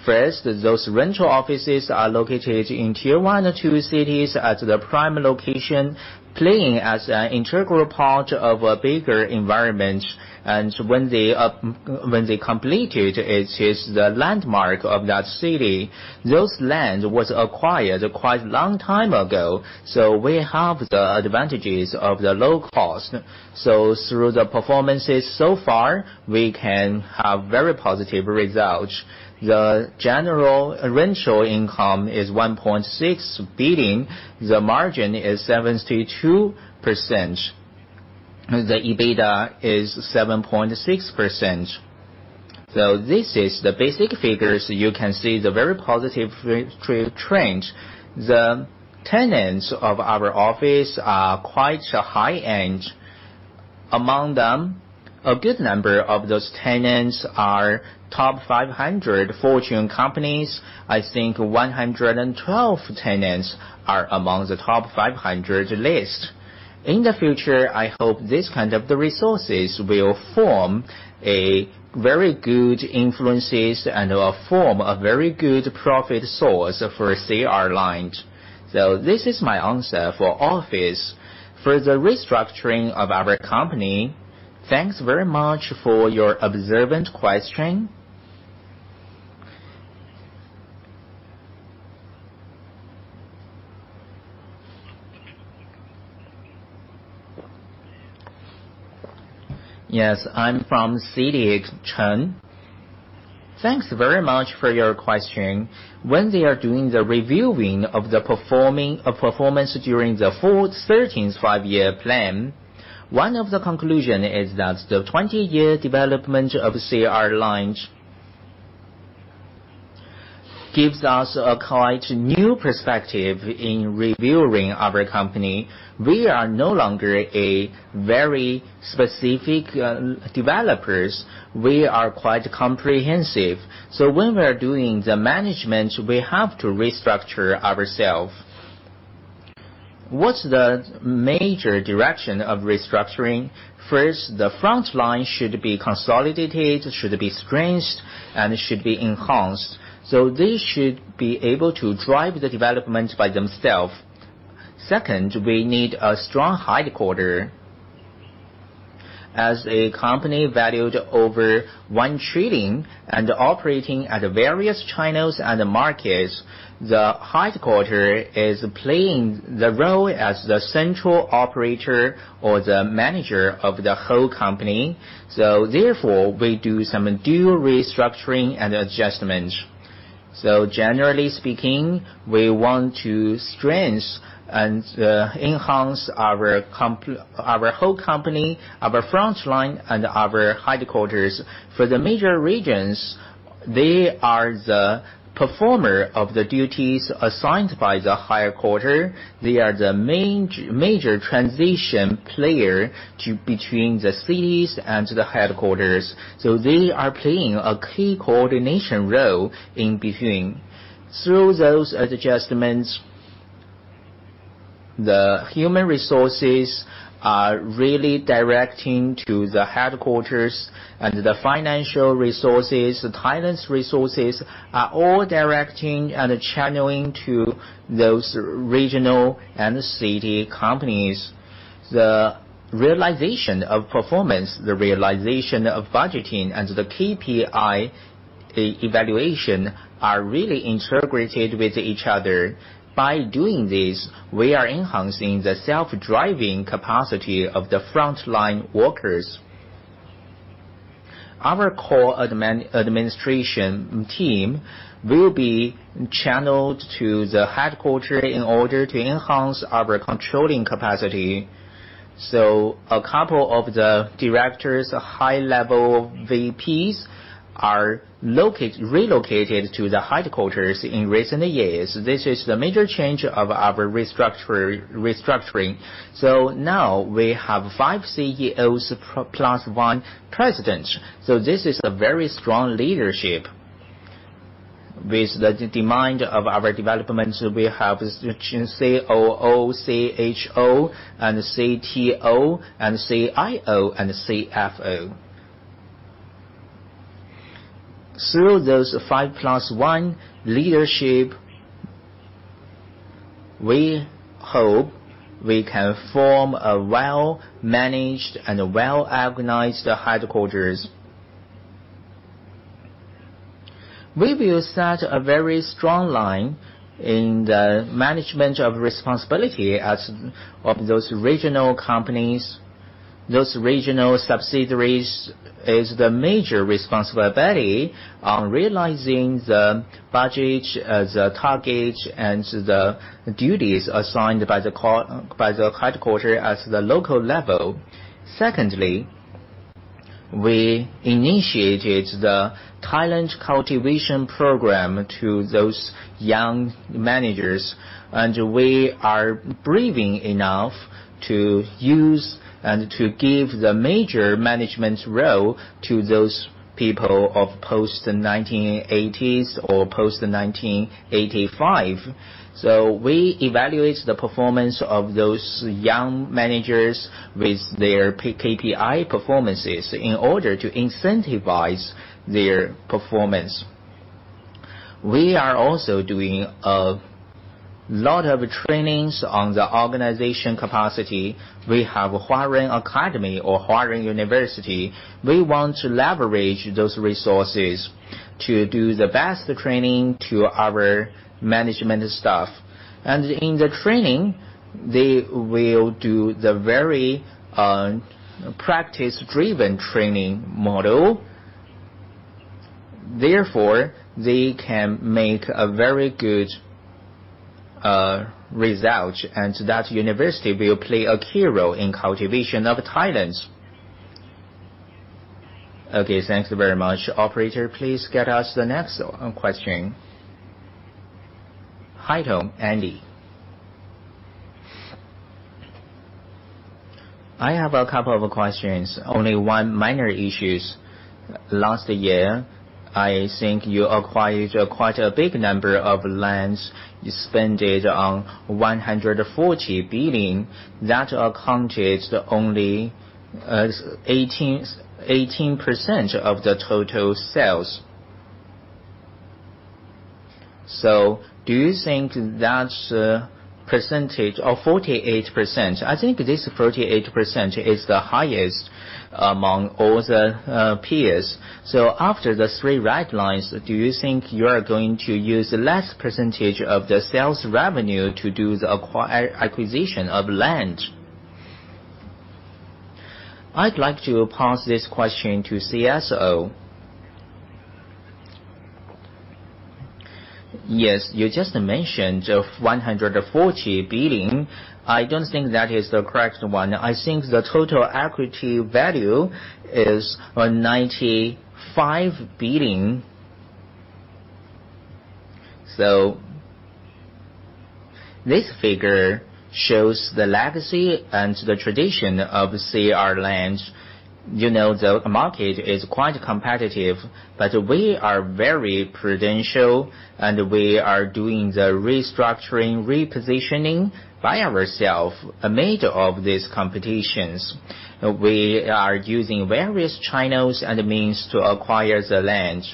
S2: Those rental offices are located in Tier 1 or 2 cities at the prime location, playing as an integral part of a bigger environment. When they complete it is the landmark of that city. Those lands were acquired quite a long time ago, we have the advantages of the low cost. Through the performances so far, we can have very positive results. The general rental income is 1.6 billion. The margin is 72%. The EBITDA is 7.6%. This is the basic figures. You can see the very positive trend. The tenants of our office are quite high-end. Among them, a good number of those tenants are top 500 Fortune companies. I think 112 tenants are among the top 500 list. In the future, I hope these kind of resources will form a very good influences and will form a very good profit source for CR Land. This is my answer for office. For the restructuring of our company, thanks very much for your observant question.
S12: Yes, I'm from CITIC, Chen.
S2: Thanks very much for your question. When they are doing the reviewing of performance during the full 13th Five-Year Plan, one of the conclusions is that the 20-year development of CR Land gives us a quite new perspective in reviewing our company. We are no longer a very specific developer. We are quite comprehensive. When we're doing the management, we have to restructure ourselves. What's the major direction of restructuring? First, the frontline should be consolidated, should be strengthened, and should be enhanced. They should be able to drive the development by themselves. Second, we need a strong headquarters. As a company valued over 1 trillion and operating at various channels and markets, the headquarters is playing the role as the central operator or the manager of the whole company. Therefore, we do some due restructuring and adjustments. Generally speaking, we want to strengthen and enhance our whole company, our frontline, and our headquarters. For the major regions, they are the performer of the duties assigned by the headquarters. They are the major transition player between the cities and the headquarters. They are playing a key coordination role in between. Through those adjustments. The human resources are really directing to the headquarters, and the financial resources, the talent resources, are all directing and channeling to those regional and city companies. The realization of performance, the realization of budgeting, and the KPI evaluation are really integrated with each other. By doing this, we are enhancing the self-driving capacity of the frontline workers. Our core administration team will be channeled to the headquarters in order to enhance our controlling capacity. A couple of the Directors, high-level VPs, are relocated to the headquarters in recent years. This is the major change of our restructuring. Now we have five CEOs plus one President. This is a very strong leadership. With the demand of our development, we have COO, CHO, and CTO, and CIO, and CFO. Through those five plus one leadership, we hope we can form a well-managed and well-organized headquarters. We will set a very strong line in the management of responsibility as of those regional companies. Those regional subsidiaries is the major responsibility on realizing the budget, the target, and the duties assigned by the headquarters at the local level. Secondly, we initiated the talent cultivation program to those young managers, and we are brave enough to use and to give the major management role to those people of post-1980s or post-1985. We evaluate the performance of those young managers with their KPI performances in order to incentivize their performance. We are also doing a lot of trainings on the organization capacity. We have Huarun Academy or Huarun University. We want to leverage those resources to do the best training to our management staff. In the training, they will do the very practice-driven training model. Therefore, they can make a very good result, and that university will play a key role in cultivation of talents.
S12: Okay. Thanks very much.
S2: Operator, please get us the next question.
S1: Andy.
S13: I have a couple of questions. Only one minor issue. Last year, I think you acquired quite a big number of lands. You spent 140 billion. That accounted only 18% of the total sales. Do you think that percentage of 48%, I think this 48% is the highest among all the peers. After the three red lines, do you think you are going to use less percentage of the sales revenue to do the acquisition of land?
S2: I'd like to pose this question to CSO.
S6: Yes. You just mentioned 140 billion. I don't think that is the correct one. I think the total equity value is RMB 195 billion. This figure shows the legacy and the tradition of CR Land. The market is quite competitive, we are very prudential, and we are doing the restructuring, repositioning by ourselves amid of these competitions. We are using various channels and means to acquire the land.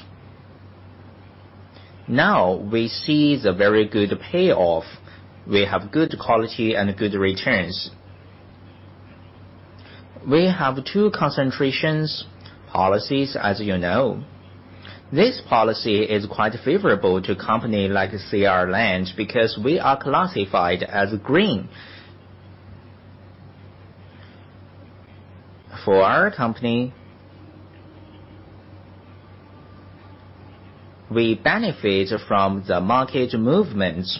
S6: Now we see the very good payoff. We have good quality and good returns. We have two concentrations policies, as you know. This policy is quite favorable to company like CR Land because we are classified as green. For our company, we benefit from the market movements.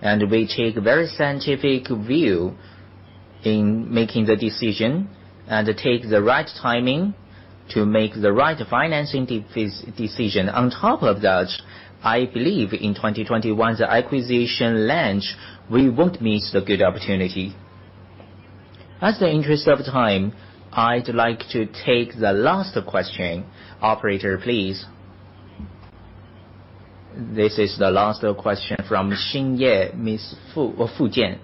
S6: We take very scientific view in making the decision and take the right timing to make the right financing decision. On top of that, I believe in 2021, the acquisition land, we won't miss the good opportunity.
S2: In the interest of time, I'd like to take the last question. Operator, please.
S1: This is the last question from Xingye, Ms. Fu or Fujian.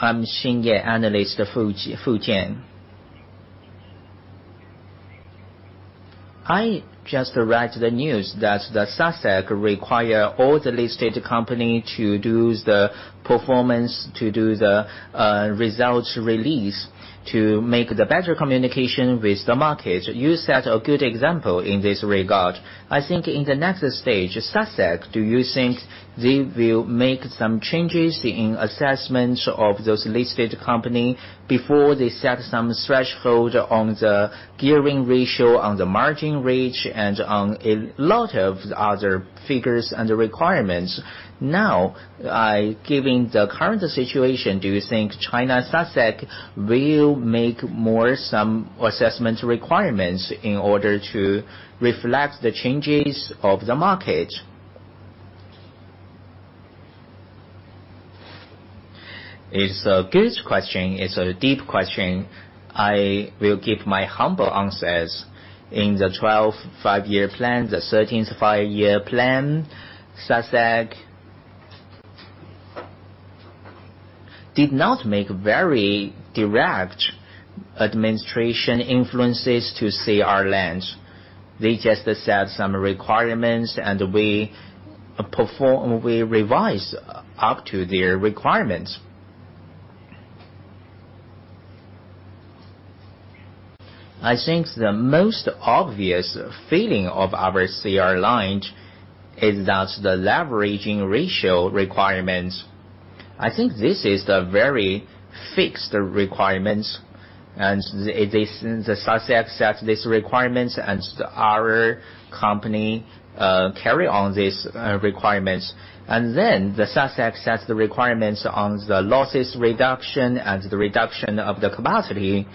S14: I'm Xingye analyst, Fujian. I just read the news that the SASAC require all the listed company to do the performance, to do the results release to make the better communication with the market. You set a good example in this regard. I think in the next stage, SASAC, do you think they will make some changes in assessment of those listed company before they set some threshold on the gearing ratio, on the margin rate, and on a lot of other figures and requirements? Now, given the current situation, do you think China SASAC will make more assessment requirements in order to reflect the changes of the market?
S2: It's a good question. It's a deep question. I will give my humble answers. In the 12th Five-Year Plan, the 13th Five-Year Plan, SASAC did not make very direct administration influences to CR Land. They just set some requirements, and we revise up to their requirements. I think the most obvious feeling of our CR Land is that the leveraging ratio requirements, I think this is the very fixed requirements, and the SASAC set these requirements and our company carry on these requirements. The SASAC sets the requirements on the losses reduction and the reduction of the capacity.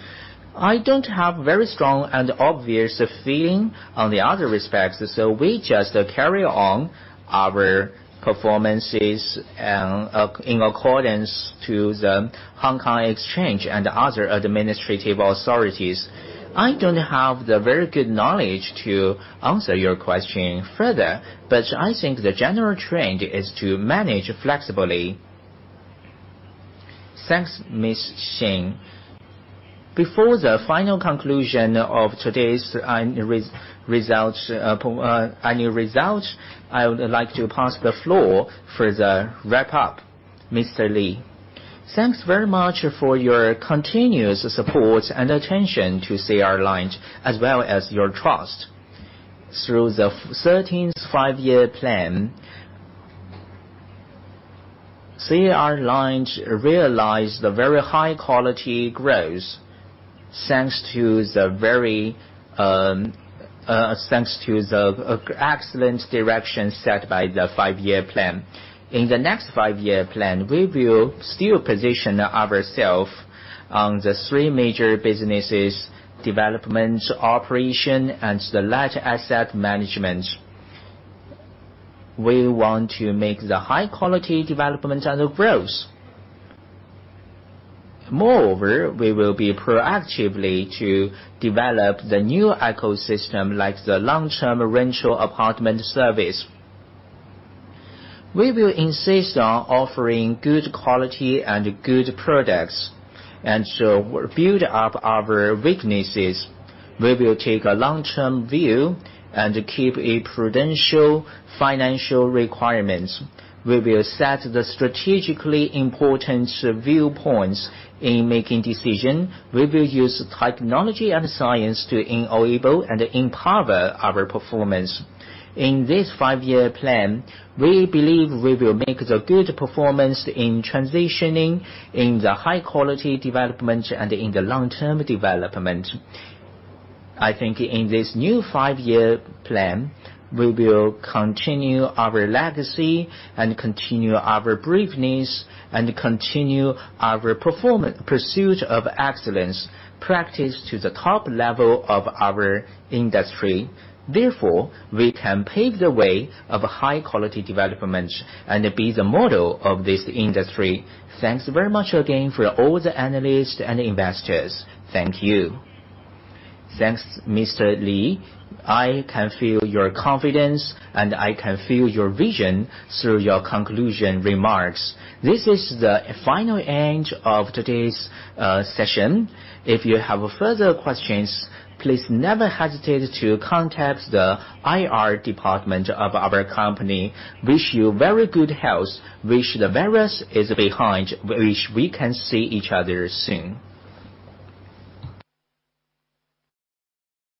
S2: I don't have very strong and obvious feeling on the other respects, so we just carry on our performances in accordance to the Hong Kong Exchange and other administrative authorities. I don't have the very good knowledge to answer your question further, but I think the general trend is to manage flexibly.
S1: Thanks, Ms. Xing. Before the final conclusion of today's annual results, I would like to pass the floor for the wrap-up. Mr. Li.
S2: Thanks very much for your continuous support and attention to CR Land, as well as your trust. Through the 13th Five-Year Plan, CR Land realized the very high-quality growth, thanks to the excellent direction set by the Five-Year Plan. In the next Five-Year Plan, we will still position ourselves on the three major businesses, development, operation, and the light asset management. We want to make the high-quality development and growth. Moreover, we will be proactively to develop the new ecosystem like the long-term rental apartment service. We will insist on offering good quality and good products and build up our weaknesses. We will take a long-term view and keep a prudential financial requirements. We will set the strategically important viewpoints in making decision. We will use technology and science to enable and empower our performance. In this Five-Year Plan, we believe we will make the good performance in transitioning, in the high-quality development, and in the long-term development. I think in this new Five-Year Plan, we will continue our legacy and continue our braveness and continue our pursuit of excellence practice to the top level of our industry. Therefore, we can pave the way of high-quality development and be the model of this industry. Thanks very much again for all the analysts and investors. Thank you.
S1: Thanks, Mr. Li. I can feel your confidence, and I can feel your vision through your conclusion remarks. This is the final end of today's session. If you have further questions, please never hesitate to contact the IR department of our company. Wish you very good health. Wish the virus is behind. Wish we can see each other soon.